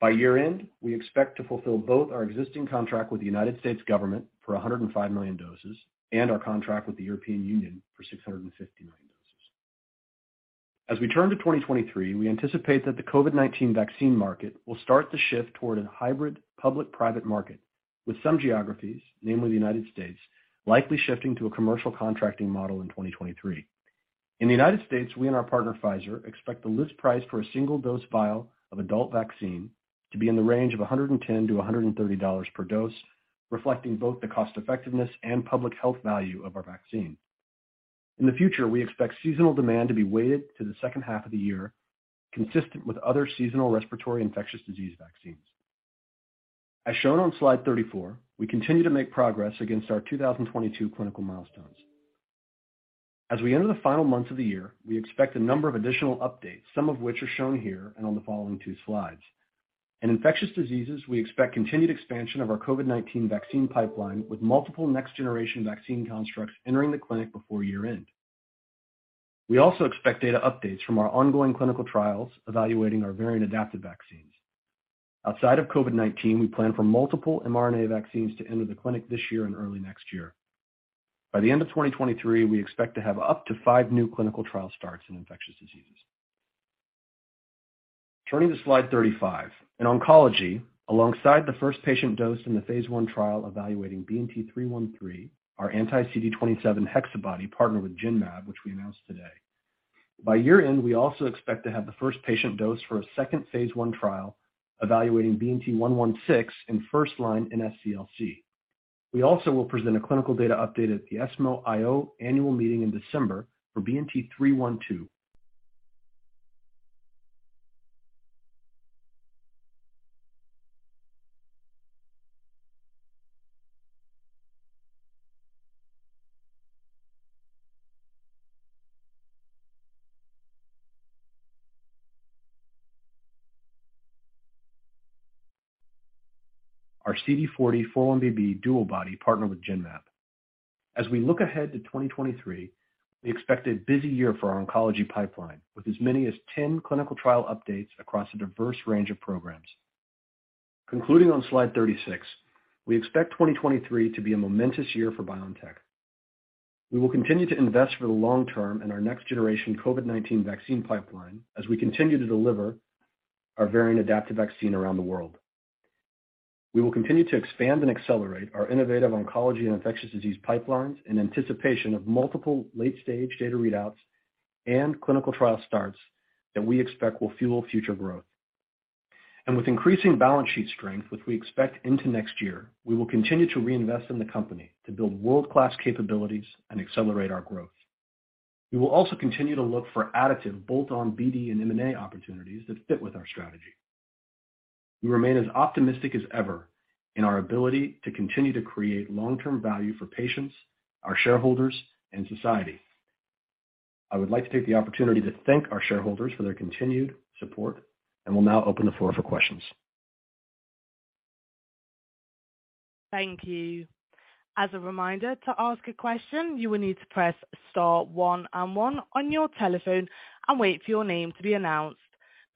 By year-end, we expect to fulfill both our existing contract with the United States government for 105 million doses and our contract with the European Union for 650 million doses. As we turn to 2023, we anticipate that the COVID-19 vaccine market will start to shift toward a hybrid public-private market with some geographies, namely the United States, likely shifting to a commercial contracting model in 2023. In the United States, we and our partner, Pfizer, expect the list price for a single dose vial of adult vaccine to be in the range of $110-$130 per dose, reflecting both the cost effectiveness and public health value of our vaccine. In the future, we expect seasonal demand to be weighted to the second half of the year, consistent with other seasonal respiratory infectious disease vaccines. As shown on slide 34, we continue to make progress against our 2022 clinical milestones. As we enter the final months of the year, we expect a number of additional updates, some of which are shown here and on the following two slides. In infectious diseases, we expect continued expansion of our COVID-19 vaccine pipeline with multiple next generation vaccine constructs entering the clinic before year-end. We also expect data updates from our ongoing clinical trials evaluating our variant-adapted vaccines. Outside of COVID-19, we plan for multiple mRNA vaccines to enter the clinic this year and early next year. By the end of 2023, we expect to have up to five new clinical trial starts in infectious diseases. Turning to slide 35. In oncology, alongside the first patient dose in the phase I trial evaluating BNT313, our anti-CD27 HexaBody partner with Genmab, which we announced today. By year-end, we also expect to have the first patient dose for a second phase I trial evaluating BNT116 in first-line NSCLC. We also will present a clinical data update at the ESMO IO annual meeting in December for BNT312. Our CD40 x 4-1BB DuoBody partner with Genmab. As we look ahead to 2023, we expect a busy year for our oncology pipeline with as many as 10 clinical trial updates across a diverse range of programs. Concluding on slide 36, we expect 2023 to be a momentous year for BioNTech. We will continue to invest for the long term in our next generation COVID-19 vaccine pipeline as we continue to deliver our variant-adapted vaccine around the world. We will continue to expand and accelerate our innovative oncology and infectious disease pipelines in anticipation of multiple late-stage data readouts and clinical trial starts that we expect will fuel future growth. With increasing balance sheet strength, which we expect into next year, we will continue to reinvest in the company to build world-class capabilities and accelerate our growth. We will also continue to look for additive bolt-on BD and M&A opportunities that fit with our strategy. We remain as optimistic as ever in our ability to continue to create long-term value for patients, our shareholders, and society. I would like to take the opportunity to thank our shareholders for their continued support and will now open the floor for questions. Thank you. As a reminder, to ask a question, you will need to press star one and one on your telephone and wait for your name to be announced.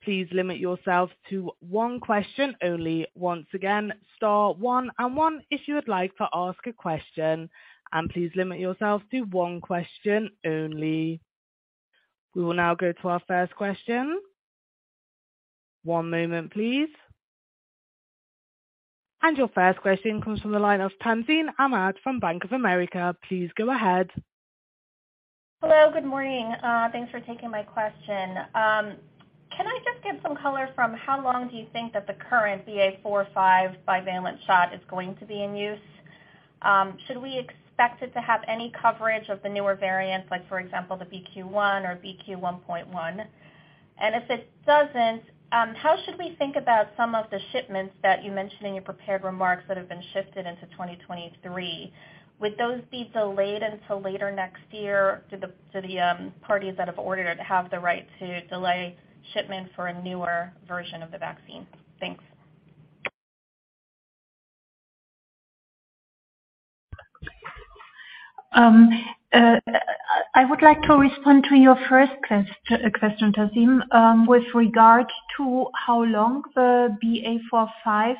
Please limit yourself to one question only. Once again, star one and one if you would like to ask a question, and please limit yourself to one question only. We will now go to our first question. One moment please. Your first question comes from the line of Tazeen Ahmad from Bank of America. Please go ahead. Hello, good morning. Thanks for taking my question. Can I just get some color on how long do you think that the current BA.4/5 bivalent shot is going to be in use? Should we expect it to have any coverage of the newer variants, like for example, the BQ.1 or BQ.1.1? If it doesn't, how should we think about some of the shipments that you mentioned in your prepared remarks that have been shifted into 2023? Would those be delayed until later next year? Do the parties that have ordered it have the right to delay shipment for a newer version of the vaccine? Thanks. I would like to respond to your first question, Tazeen. With regard to how long the BA.4/5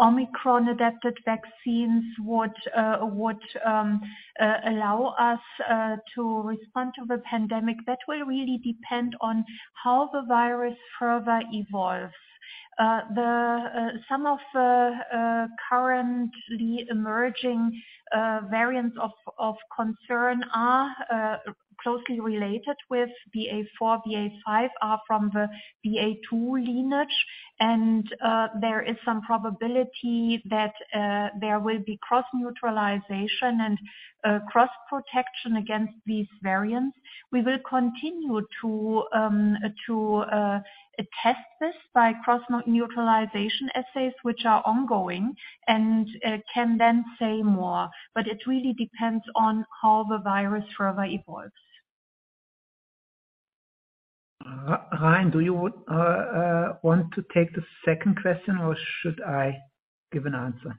Omicron adapted vaccines would allow us to respond to the pandemic, that will really depend on how the virus further evolves. Some of the currently emerging variants of concern are closely related with BA.4, BA.5 are from the BA.2 lineage. There is some probability that there will be cross neutralization and cross protection against these variants. We will continue to test this by cross neutralization assays, which are ongoing and can then say more. It really depends on how the virus further evolves. Ryan, do you want to take the second question or should I give an answer?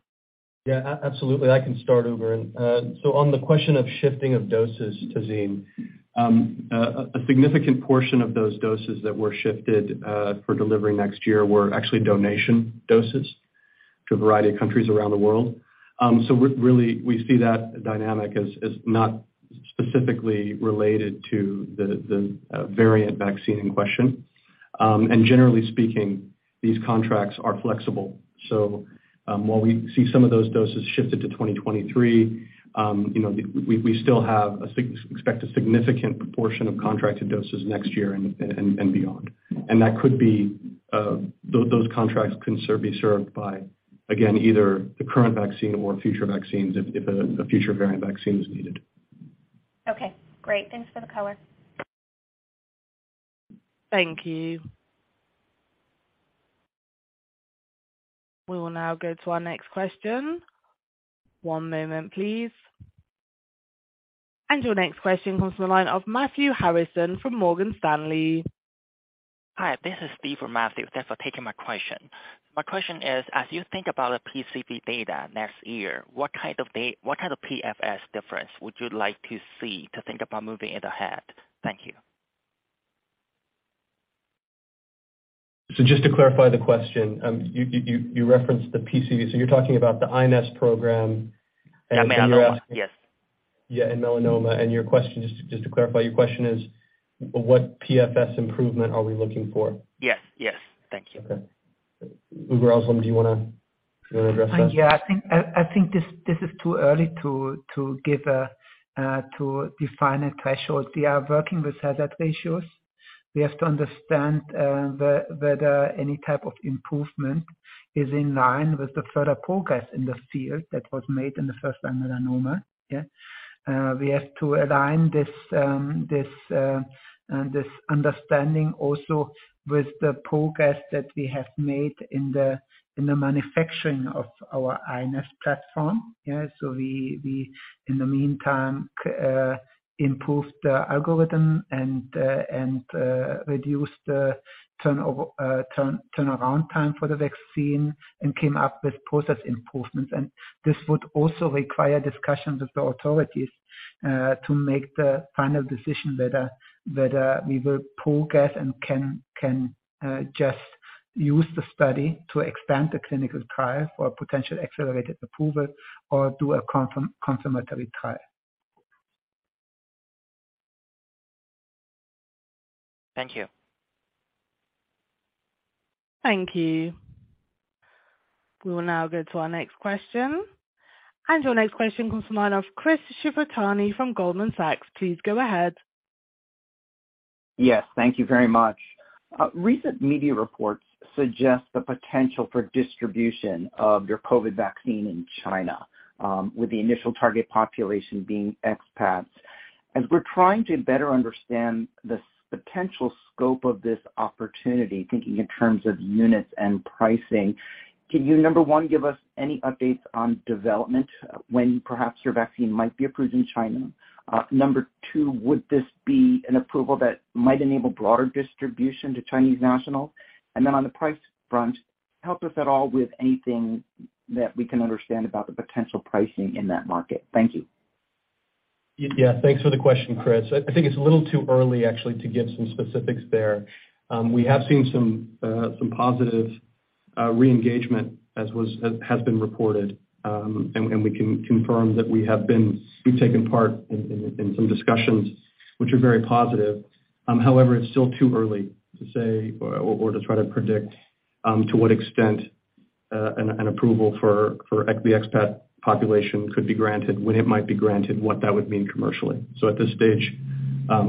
Yeah, absolutely. I can start, Uğur. On the question of shifting of doses, Tazeen, a significant portion of those doses that were shifted for delivery next year were actually donation doses to a variety of countries around the world. We really see that dynamic as not specifically related to the variant vaccine in question. Generally speaking, these contracts are flexible. While we see some of those doses shifted to 2023, you know, we still expect a significant proportion of contracted doses next year and beyond. That could be, those contracts can be served by, again, either the current vaccine or future vaccines if a future variant vaccine is needed. Okay, great. Thanks for the color. Thank you. We will now go to our next question. One moment please. Your next question comes from the line of Matthew Harrison from Morgan Stanley. Hi, this is Steve for Matthew. Thanks for taking my question. My question is, as you think about the PCEC data next year, what kind of PFS difference would you like to see to think about moving it ahead? Thank you. Just to clarify the question, you referenced the PCEC, so you're talking about the iNeST program and you're asking- Yeah, melanoma. Yes. Yeah, in melanoma. Your question, just to clarify, your question is what PFS improvement are we looking for? Yes. Yes. Thank you. Okay. Uğur and Özlem, do you wanna address that? I think this is too early to define a threshold. We are working with hazard ratios. We have to understand whether any type of improvement is in line with the further progress in the field that was made in the first-line melanoma. We have to align this understanding also with the progress that we have made in the manufacturing of our iNeST platform. We in the meantime improved the algorithm and reduced the turnaround time for the vaccine and came up with process improvements. This would also require discussions with the authorities to make the final decision whether we will progress and can just use the study to extend the clinical trial for potential accelerated approval or do a confirmatory trial. Thank you. Thank you. We will now go to our next question. Your next question comes from Chris Shibutani of Goldman Sachs. Please go ahead. Yes, thank you very much. Recent media reports suggest the potential for distribution of your COVID vaccine in China, with the initial target population being expats. As we're trying to better understand the potential scope of this opportunity, thinking in terms of units and pricing, can you, number one, give us any updates on development when perhaps your vaccine might be approved in China? Number two, would this be an approval that might enable broader distribution to Chinese nationals? On the price front, help us at all with anything that we can understand about the potential pricing in that market. Thank you. Yeah, thanks for the question, Chris. I think it's a little too early actually to give some specifics there. We have seen some positive re-engagement as has been reported. We can confirm that we've taken part in some discussions which are very positive. However, it's still too early to say or to try to predict to what extent an approval for the ex-U.S. population could be granted, when it might be granted, what that would mean commercially. At this stage,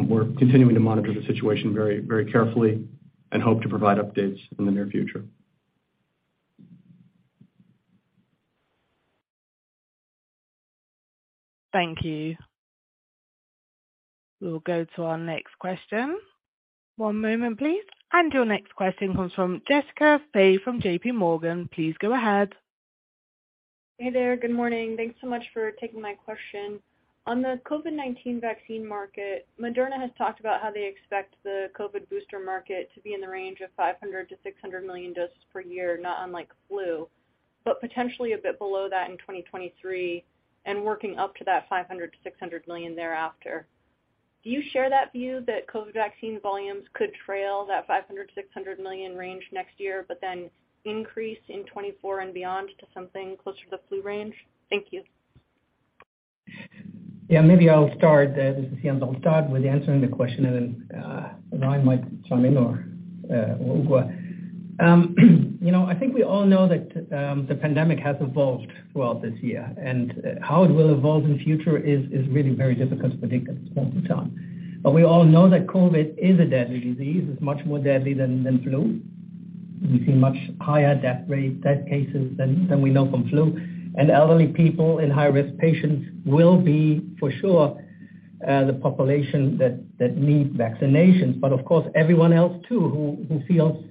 we're continuing to monitor the situation very, very carefully and hope to provide updates in the near future. Thank you. We'll go to our next question. One moment, please. Your next question comes from Jessica Fye from JPMorgan. Please go ahead. Hey there. Good morning. Thanks so much for taking my question. On the COVID-19 vaccine market, Moderna has talked about how they expect the COVID booster market to be in the range of 500 million-600 million doses per year, not unlike flu. Potentially a bit below that in 2023 and working up to that 500 million-600 million thereafter. Do you share that view that COVID vaccine volumes could trail that 500 million-600 million range next year but then increase in 2024 and beyond to something closer to the flu range? Thank you. Yeah, maybe I'll start. This is Jens. I'll start with answering the question and then Ryan might chime in or or Uğur. You know, I think we all know that the pandemic has evolved throughout this year, and how it will evolve in the future is really very difficult to predict at this point in time. We all know that COVID is a deadly disease. It's much more deadly than flu. We've seen much higher death rate, death cases than we know from flu. Elderly people and high-risk patients will be for sure the population that need vaccinations, but of course everyone else too who feels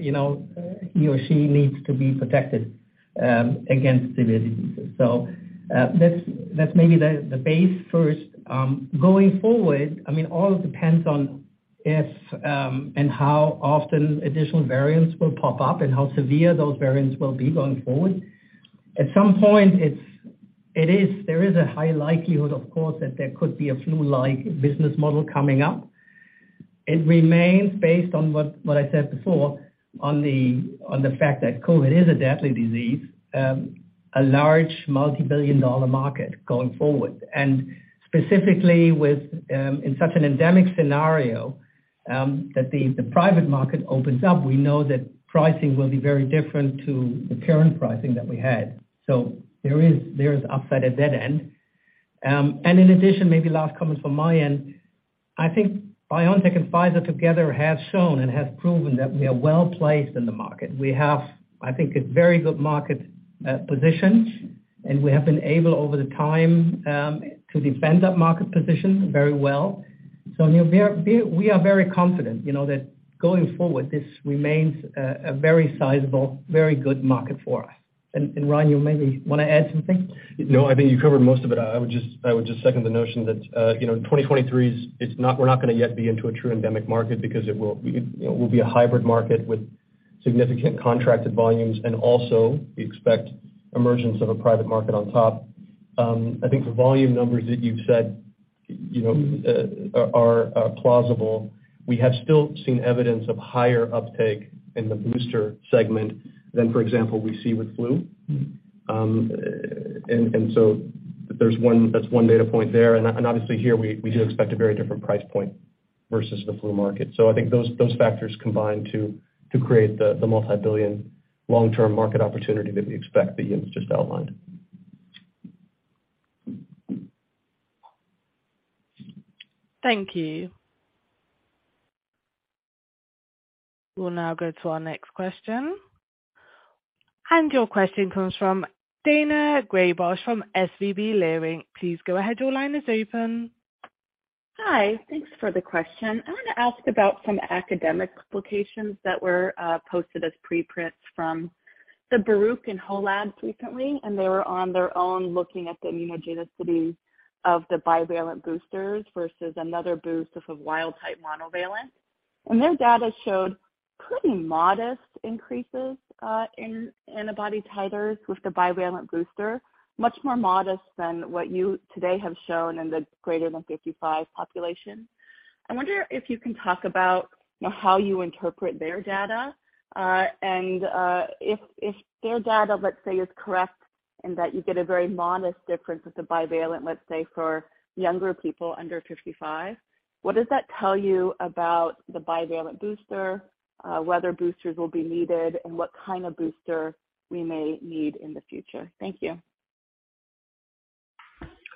you know he or she needs to be protected against severe diseases. That's maybe the base first. Going forward, I mean, all depends on if and how often additional variants will pop up and how severe those variants will be going forward. At some point, there is a high likelihood, of course, that there could be a flu-like business model coming up. It remains based on what I said before on the fact that COVID is a deadly disease, a large multi-billion dollar market going forward. Specifically with in such an endemic scenario, that the private market opens up. We know that pricing will be very different to the current pricing that we had. There is upside at that end. In addition, maybe last comment from my end, I think BioNTech and Pfizer together have shown and have proven that we are well-placed in the market. We have, I think, a very good market position, and we have been able over time to defend that market position very well. You know, we are very confident, you know, that going forward, this remains a very sizable, very good market for us. And Ryan, you maybe wanna add something? No, I think you covered most of it. I would just second the notion that, you know, in 2023 we're not gonna yet be into a true endemic market because it will, you know, be a hybrid market with significant contracted volumes and also we expect emergence of a private market on top. I think the volume numbers that you said, you know, are plausible. We have still seen evidence of higher uptake in the booster segment than, for example, we see with flu. That's one data point there. Obviously here we do expect a very different price point versus the flu market. I think those factors combine to create the multi-billion long-term market opportunity that we expect that Jens just outlined. Thank you. We'll now go to our next question. Your question comes from Daina Graybosch from SVB Leerink. Please go ahead. Your line is open. Hi. Thanks for the question. I wanna ask about some academic publications that were posted as preprints from the Barouch and Ho Labs recently, and they were on their own looking at the immunogenicity of the bivalent boosters versus another boost of a wild-type monovalent. Their data showed pretty modest increases in antibody titers with the bivalent booster, much more modest than what you today have shown in the greater than 55 population. I wonder if you can talk about, you know, how you interpret their data. If their data, let's say, is correct and that you get a very modest difference with the bivalent, let's say, for younger people under 55, what does that tell you about the bivalent booster, whether boosters will be needed and what kind of booster we may need in the future? Thank you.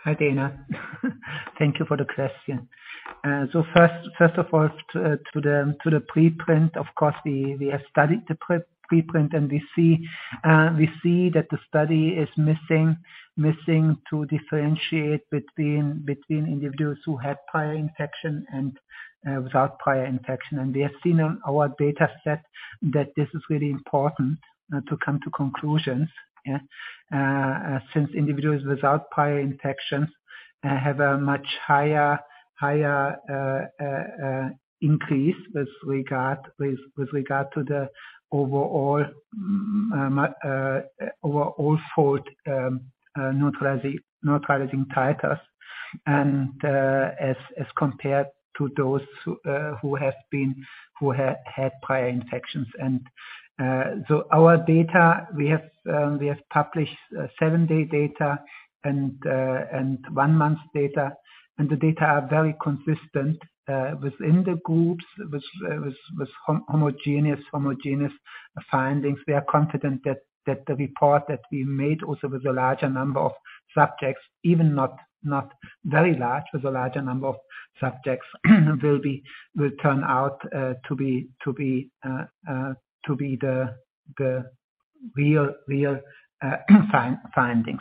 Hi, Daina. Thank you for the question. So first of all, to the preprint, of course, we have studied the preprint, and we see that the study is missing to differentiate between individuals who had prior infection and without prior infection. We have seen on our data set that this is really important to come to conclusions, yeah. Since individuals without prior infections have a much higher increase with regard to the overall fold neutralizing titers. As compared to those who had prior infections. So our data, we have published seven-day data and one-month data. The data are very consistent within the groups, with homogenous findings. We are confident that the report that we made also with the larger number of subjects, even not very large, with the larger number of subjects will turn out to be the real findings.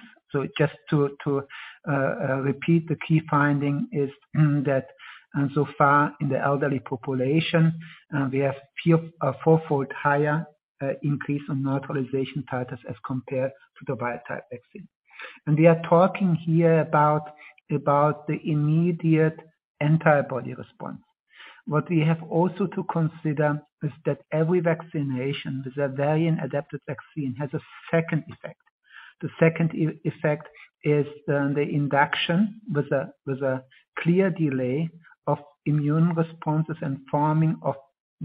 Just to repeat, the key finding is that so far in the elderly population we have four-fold higher increase in neutralization titers as compared to the wild-type vaccine. We are talking here about the immediate antibody response. What we have also to consider is that every vaccination with a variant-adapted vaccine has a second effect. The second effect is the induction with a clear delay of immune responses and forming of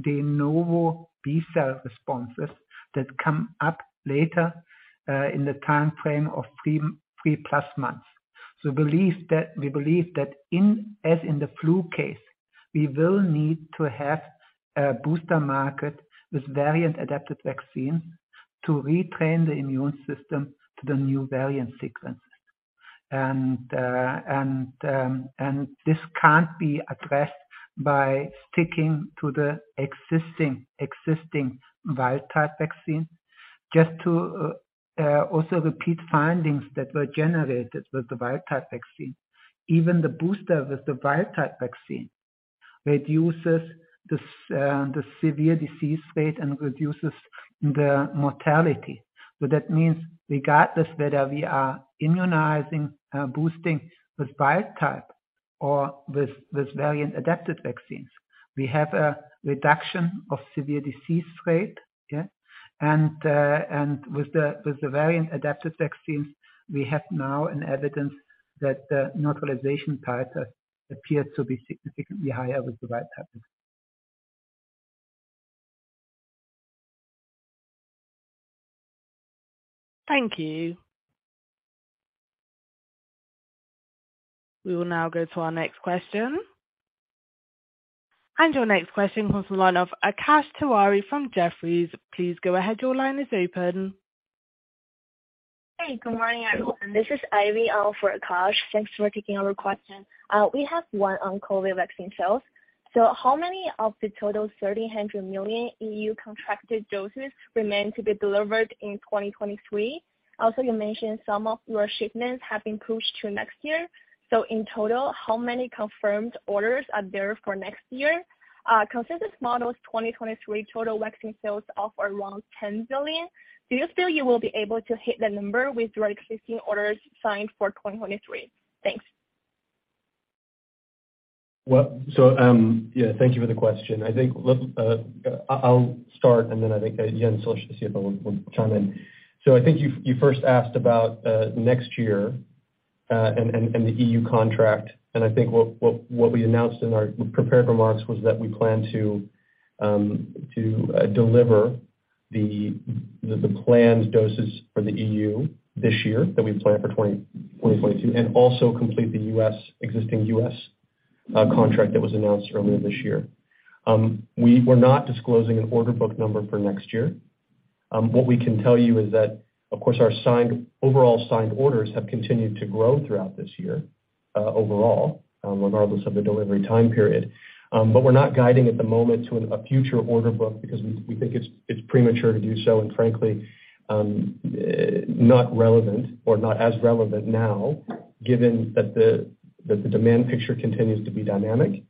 de novo B-cell responses that come up later in the timeframe of 3+ months. We believe that as in the flu case, we will need to have a booster market with variant-adapted vaccine to retrain the immune system to the new variant sequences. This can't be addressed by sticking to the existing wild-type vaccine. Just to also repeat findings that were generated with the wild-type vaccine. Even the booster with the wild-type vaccine reduces the severe disease state and reduces the mortality. That means regardless whether we are immunizing, boosting with wild-type or with variant-adapted vaccines, we have a reduction of severe disease rate. Yeah. With the variant-adapted vaccines, we have now an evidence that neutralization titer appears to be significantly higher with the wild-type. Thank you. We will now go to our next question. Your next question comes from the line of Akash Tewari from Jefferies. Please go ahead. Your line is open. Hey, good morning, everyone. This is Ivy on for Akash Tewari. Thanks for taking our question. We have one on COVID vaccine sales. How many of the total 300 million EU contracted doses remain to be delivered in 2023? Also, you mentioned some of your shipments have been pushed to next year. In total, how many confirmed orders are there for next year? Consensus models 2023 total vaccine sales of around 10 billion. Do you feel you will be able to hit that number with your existing orders signed for 2023? Thanks. Well, yeah, thank you for the question. I think let's, I'll start, and then I think Jens, I should see if he will chime in. I think you first asked about next year and the EU contract, and I think what we announced in our prepared remarks was that we plan to deliver the planned doses for the EU this year that we planned for 2022, and also complete the existing U.S. contract that was announced earlier this year. We were not disclosing an order book number for next year. What we can tell you is that of course our overall signed orders have continued to grow throughout this year, overall, regardless of the delivery time period. We're not guiding at the moment to a future order book because we think it's premature to do so and frankly not relevant or not as relevant now, given that the demand picture continues to be dynamic,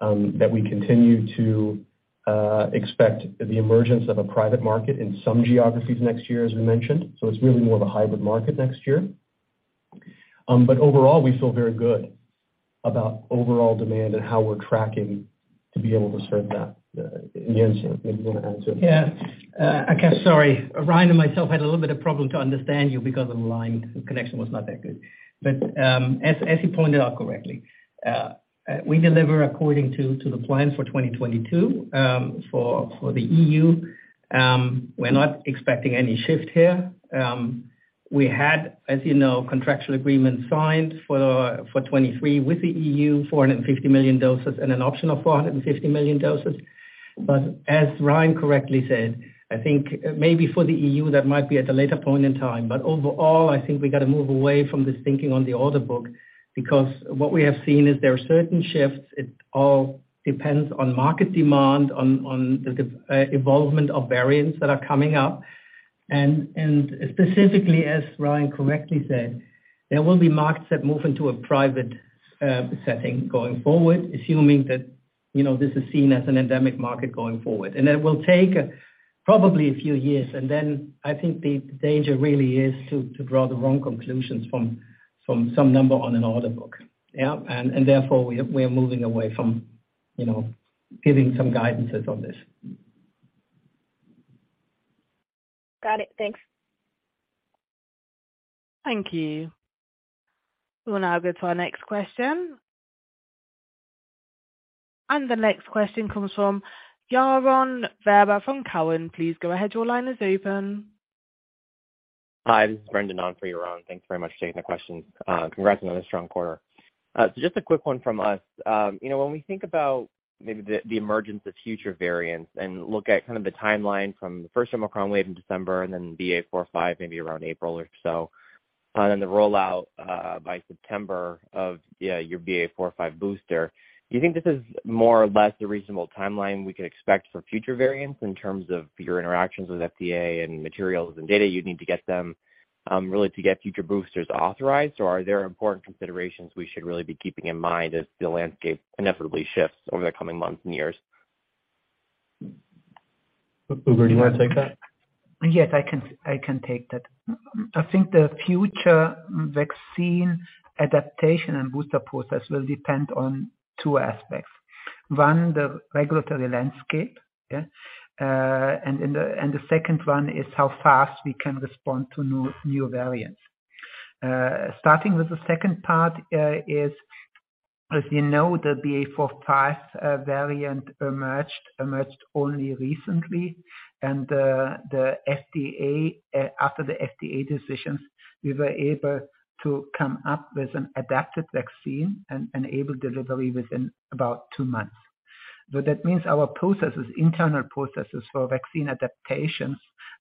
that we continue to expect the emergence of a private market in some geographies next year, as we mentioned. It's really more of a hybrid market next year. Overall, we feel very good about overall demand and how we're tracking to be able to serve that. Jens, maybe you wanna add to it. Akash, sorry. Ryan and myself had a little bit of problem to understand you because of the line. The connection was not that good. As you pointed out correctly, we deliver according to the plan for 2022, for the EU. We're not expecting any shift here. We had, as you know, contractual agreements signed for 2023 with the EU, 450 million doses and an option of 450 million doses. As Ryan correctly said, I think maybe for the EU that might be at a later point in time. Overall, I think we gotta move away from this thinking on the order book, because what we have seen is there are certain shifts. It all depends on market demand, on the evolvement of variants that are coming up. Specifically as Ryan correctly said, there will be markets that move into a private setting going forward, assuming that. You know, this is seen as an endemic market going forward, and it will take probably a few years. I think the danger really is to draw the wrong conclusions from some number on an order book. Yeah. Therefore we are moving away from, you know, giving some guidances on this. Got it. Thanks. Thank you. We'll now go to our next question. The next question comes from Yaron Werber from Cowen. Please go ahead. Your line is open. Hi, this is Brendan on for Yaron. Thanks very much for taking the question. Congrats on another strong quarter. So just a quick one from us. You know, when we think about maybe the emergence of future variants and look at kind of the timeline from the first Omicron wave in December and then BA.4/5 Maybe around April or so, and the rollout by September of your BA.4/5 booster, do you think this is more or less the reasonable timeline we could expect for future variants in terms of your interactions with FDA and materials and data you'd need to get them really to get future boosters authorized? Or are there important considerations we should really be keeping in mind as the landscape inevitably shifts over the coming months and years? Uğur, do you wanna take that? Yes, I can take that. I think the future vaccine adaptation and booster process will depend on two aspects. One, the regulatory landscape. The second one is how fast we can respond to new variants. Starting with the second part, as you know, the BA.4/5 variant emerged only recently and, after the FDA decisions, we were able to come up with an adapted vaccine and enable delivery within about two months. That means our processes, internal processes for vaccine adaptations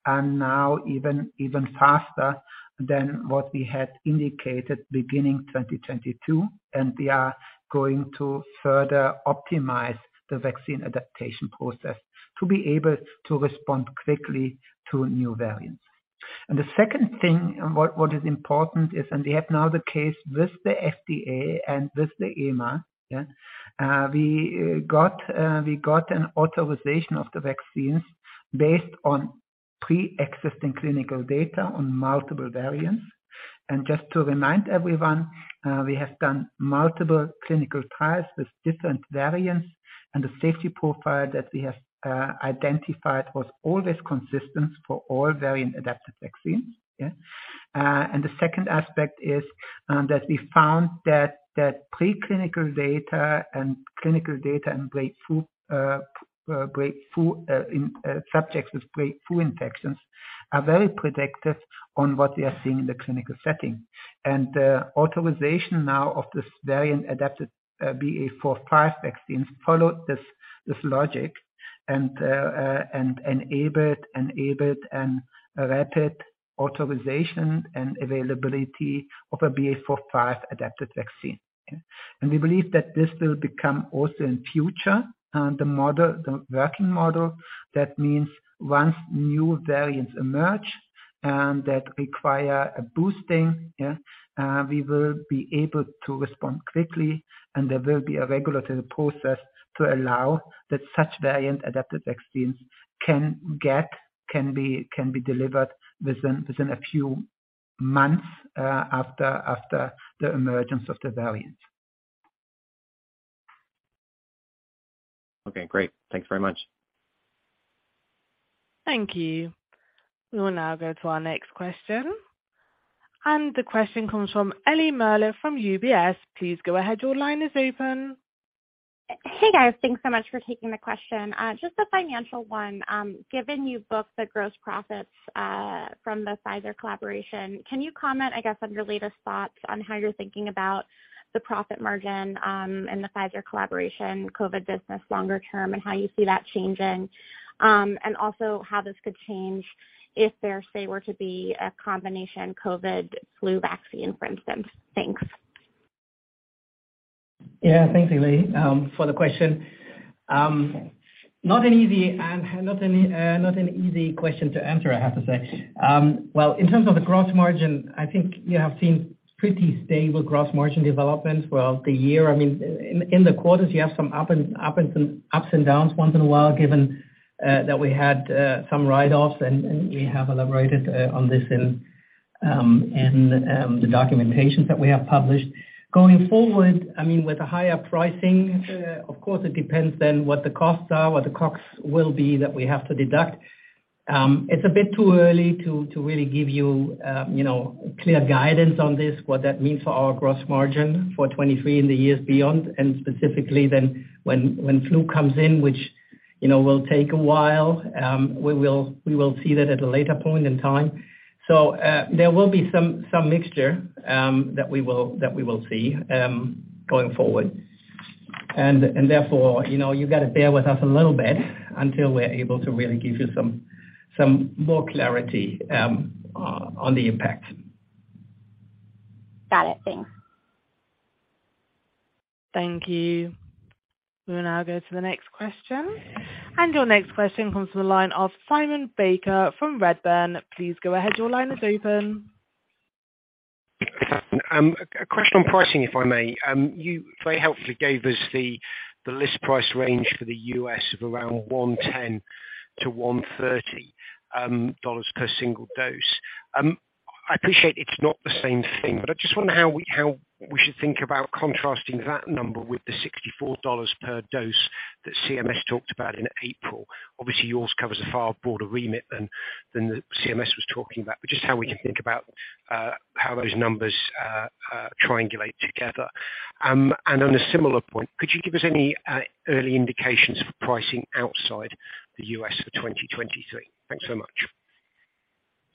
are now even faster than what we had indicated beginning 2022, and we are going to further optimize the vaccine adaptation process to be able to respond quickly to new variants. The second thing, what is important is, we have now the case with the FDA and with the EMA. We got an authorization of the vaccines based on pre-existing clinical data on multiple variants. Just to remind everyone, we have done multiple clinical trials with different variants, and the safety profile that we have identified was always consistent for all variant adapted vaccines. The second aspect is, that we found that preclinical data and clinical data in subjects with breakthrough infections are very predictive on what we are seeing in the clinical setting. The authorization now of this variant adapted BA.4/5 vaccines followed this logic and enabled a rapid authorization and availability of a BA.4/5 adapted vaccine. We believe that this will become also in future, the model, the working model. That means once new variants emerge, that require a boosting, we will be able to respond quickly and there will be a regulatory process to allow that such variant adapted vaccines can be delivered within a few months, after the emergence of the variant. Okay, great. Thanks very much. Thank you. We'll now go to our next question. The question comes from Ellie Merle from UBS. Please go ahead. Your line is open. Hey, guys. Thanks so much for taking the question. Just a financial one. Given you booked the gross profits from the Pfizer collaboration, can you comment, I guess, on your latest thoughts on how you're thinking about the profit margin and the Pfizer collaboration COVID business longer term, and how you see that changing? Also how this could change if there say were to be a combination COVID flu vaccine, for instance. Thanks. Yeah. Thanks, Ellie, for the question. Not an easy question to answer, I have to say. Well, in terms of the gross margin, I think you have seen pretty stable gross margin development throughout the year. I mean in the quarters, you have some ups and downs once in a while, given that we had some write-offs and we have elaborated on this in the documentations that we have published. Going forward, I mean, with the higher pricing, of course it depends then what the costs are, what the costs will be that we have to deduct. It's a bit too early to really give you know, clear guidance on this, what that means for our gross margin for 2023 and the years beyond. Specifically then when flu comes in which, you know, will take a while. We will see that at a later point in time. There will be some mixture that we will see going forward. Therefore, you know, you gotta bear with us a little bit until we're able to really give you some more clarity on the impact. Got it. Thanks. Thank you. We'll now go to the next question. Your next question comes from the line of Simon Baker from Redburn. Please go ahead. Your line is open. A question on pricing, if I may. You very helpfully gave us the list price range for the U.S. of around $110-$130 per single dose. I appreciate it's not the same thing, but I just wonder how we should think about contrasting that number with the $64 per dose that CMS talked about in April. Obviously, yours covers a far broader remit than the CMS was talking about. Just how we can think about how those numbers triangulate together. On a similar point, could you give us any early indications for pricing outside the U.S. for 2023? Thanks so much.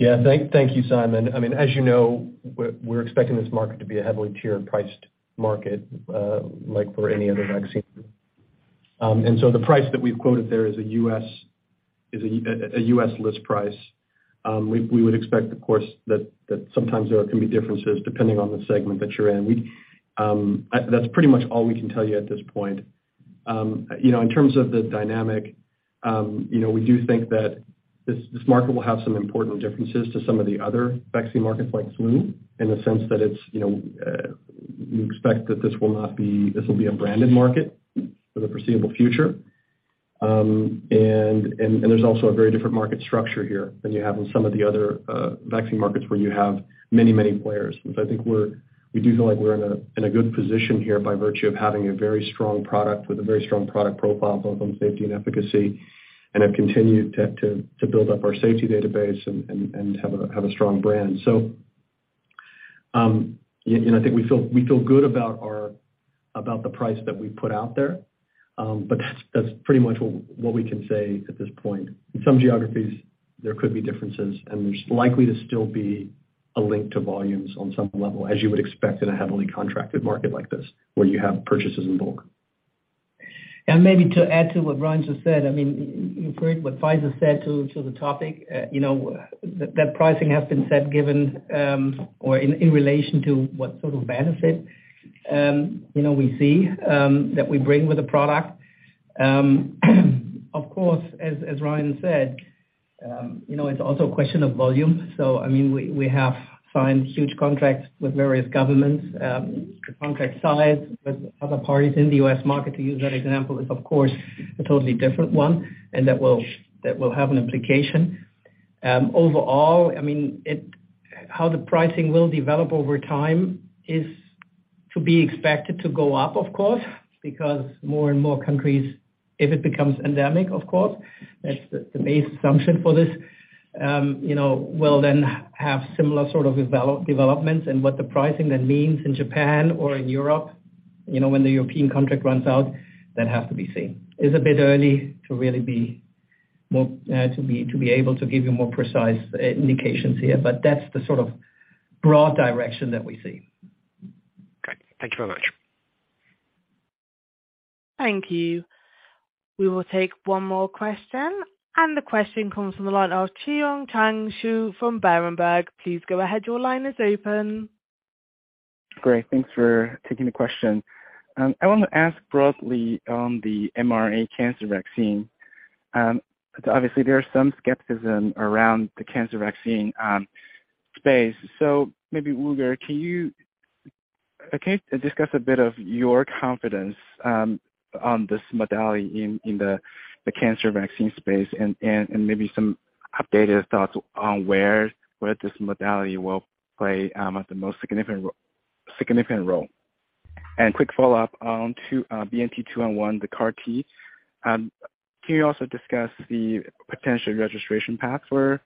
Thank you, Simon. I mean, as you know, we're expecting this market to be a heavily tiered priced market, like for any other vaccine. The price that we've quoted there is a U.S. list price. We would expect, of course, that sometimes there can be differences depending on the segment that you're in. That's pretty much all we can tell you at this point. You know, in terms of the dynamic, you know, we do think that this market will have some important differences to some of the other vaccine markets like flu, in the sense that it's, you know, we expect that this will be a branded market for the foreseeable future. There's also a very different market structure here than you have in some of the other vaccine markets where you have many players, which I think we do feel like we're in a good position here by virtue of having a very strong product with a very strong product profile, both on safety and efficacy, and have continued to build up our safety database and have a strong brand. I think we feel good about the price that we put out there. That's pretty much what we can say at this point. In some geographies, there could be differences, and there's likely to still be a link to volumes on some level, as you would expect in a heavily contracted market like this, where you have purchases in bulk. Maybe to add to what Ryan just said, I mean, in line with what Pfizer said to the topic, you know, that pricing has been set given, or in relation to what sort of benefit, you know we see, that we bring with the product. Of course, as Ryan said, you know, it's also a question of volume. I mean, we have signed huge contracts with various governments. The contract size with other parties in the U.S. market, to use that example, is of course a totally different one, and that will have an implication. Overall, I mean, how the pricing will develop over time is to be expected to go up, of course, because more and more countries, if it becomes endemic, of course, that's the main assumption for this, you know, will then have similar sort of developments and what the pricing then means in Japan or in Europe, you know, when the European contract runs out, that has to be seen. It's a bit early to really be more able to give you more precise indications here, but that's the sort of broad direction that we see. Okay. Thank you very much. Thank you. We will take one more question, and the question comes from the line of Zhiqiang Shu from Berenberg. Please go ahead. Your line is open. Great. Thanks for taking the question. I want to ask broadly on the mRNA cancer vaccine. So obviously there is some skepticism around the cancer vaccine space. So maybe, Uğur, can you discuss a bit of your confidence on this modality in the cancer vaccine space and maybe some updated thoughts on where this modality will play the most significant role. Quick follow-up to BNT211, the CAR-T. Can you also discuss the potential registration path for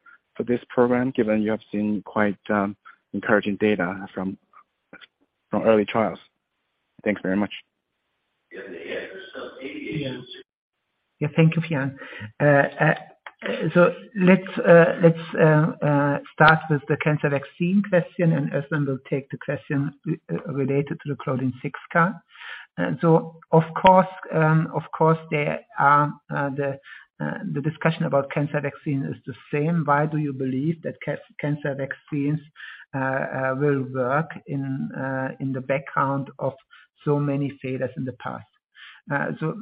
this program, given you have seen quite encouraging data from early trials? Thanks very much. Yeah, thank you, Zhiqiang. Let's start with the cancer vaccine question, and then we'll take the question related to the Claudin-6 CAR. Of course, the discussion about cancer vaccine is the same. Why do you believe that cancer vaccines will work in the background of so many failures in the past?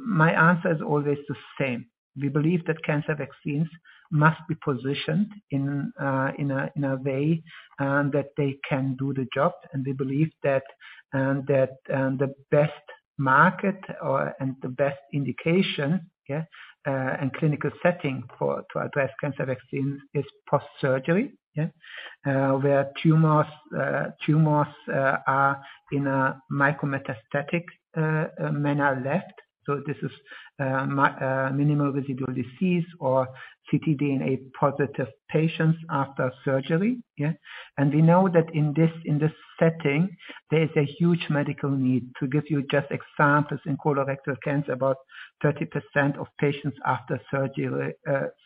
My answer is always the same. We believe that cancer vaccines must be positioned in a way that they can do the job. We believe that the best indication and clinical setting to address cancer vaccines is post-surgery. Where tumors are in a micrometastatic manner left. This is minimal residual disease or ctDNA-positive patients after surgery. We know that in this setting, there is a huge medical need. To give you just examples, in colorectal cancer, about 30% of patients after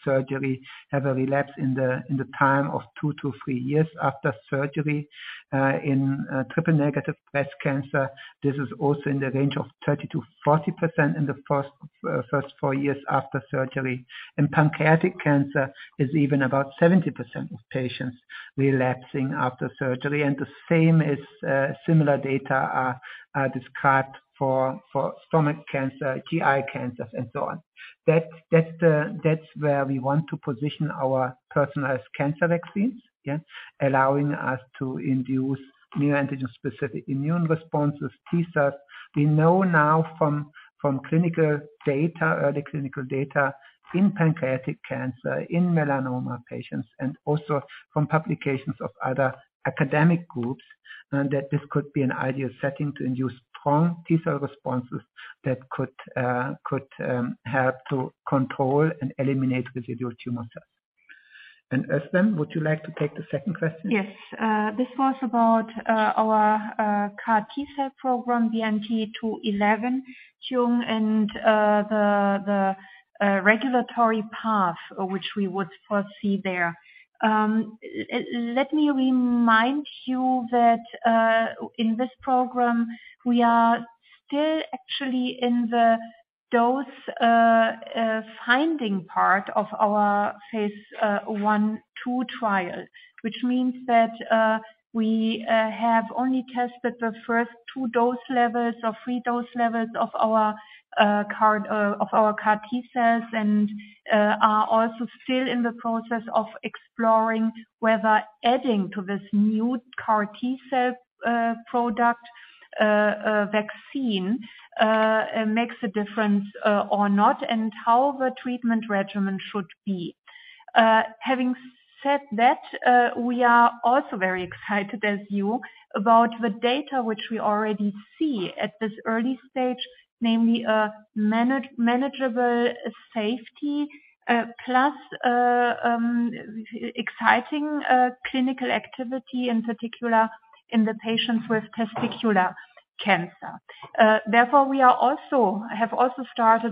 surgery have a relapse in the time of two to three years after surgery. In triple-negative breast cancer, this is also in the range of 30%-40% in the first four years after surgery. In pancreatic cancer, it's even about 70% of patients relapsing after surgery. The same similar data are described for stomach cancer, GI cancers, and so on. That's where we want to position our personalized cancer vaccines, allowing us to induce neoantigen-specific immune responses, T cells. We know now from clinical data, early clinical data in pancreatic cancer, in melanoma patients, and also from publications of other academic groups that this could be an ideal setting to induce strong T cell responses that could help to control and eliminate residual tumor cells. Özlem, would you like to take the second question? Yes. This was about our CAR-T cell program, BNT211, Uğur, and the regulatory path which we would foresee there. Let me remind you that in this program, we are still actually in the dose finding part of our phase I/II trial. Which means that we have only tested the first two dose levels or three dose levels of our CAR-T cells, and are also still in the process of exploring whether adding to this new CAR-T cell product vaccine makes a difference or not, and how the treatment regimen should be. Having said that, we are also very excited as you about the data which we already see at this early stage, namely a manageable safety plus exciting clinical activity, in particular in the patients with testicular cancer. Therefore, we have also started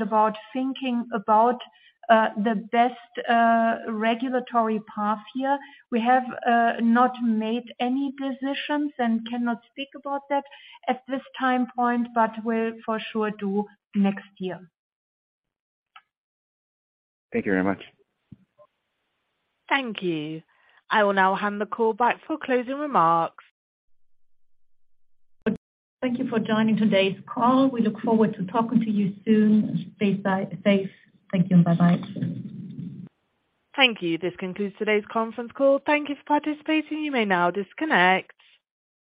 thinking about the best regulatory path here. We have not made any decisions and cannot speak about that at this time point, but will for sure do next year. Thank you very much. Thank you. I will now hand the call back for closing remarks. Thank you for joining today's call. We look forward to talking to you soon. Stay safe. Thank you and bye-bye. Thank you. This concludes today's conference call. Thank you for participating. You may now disconnect.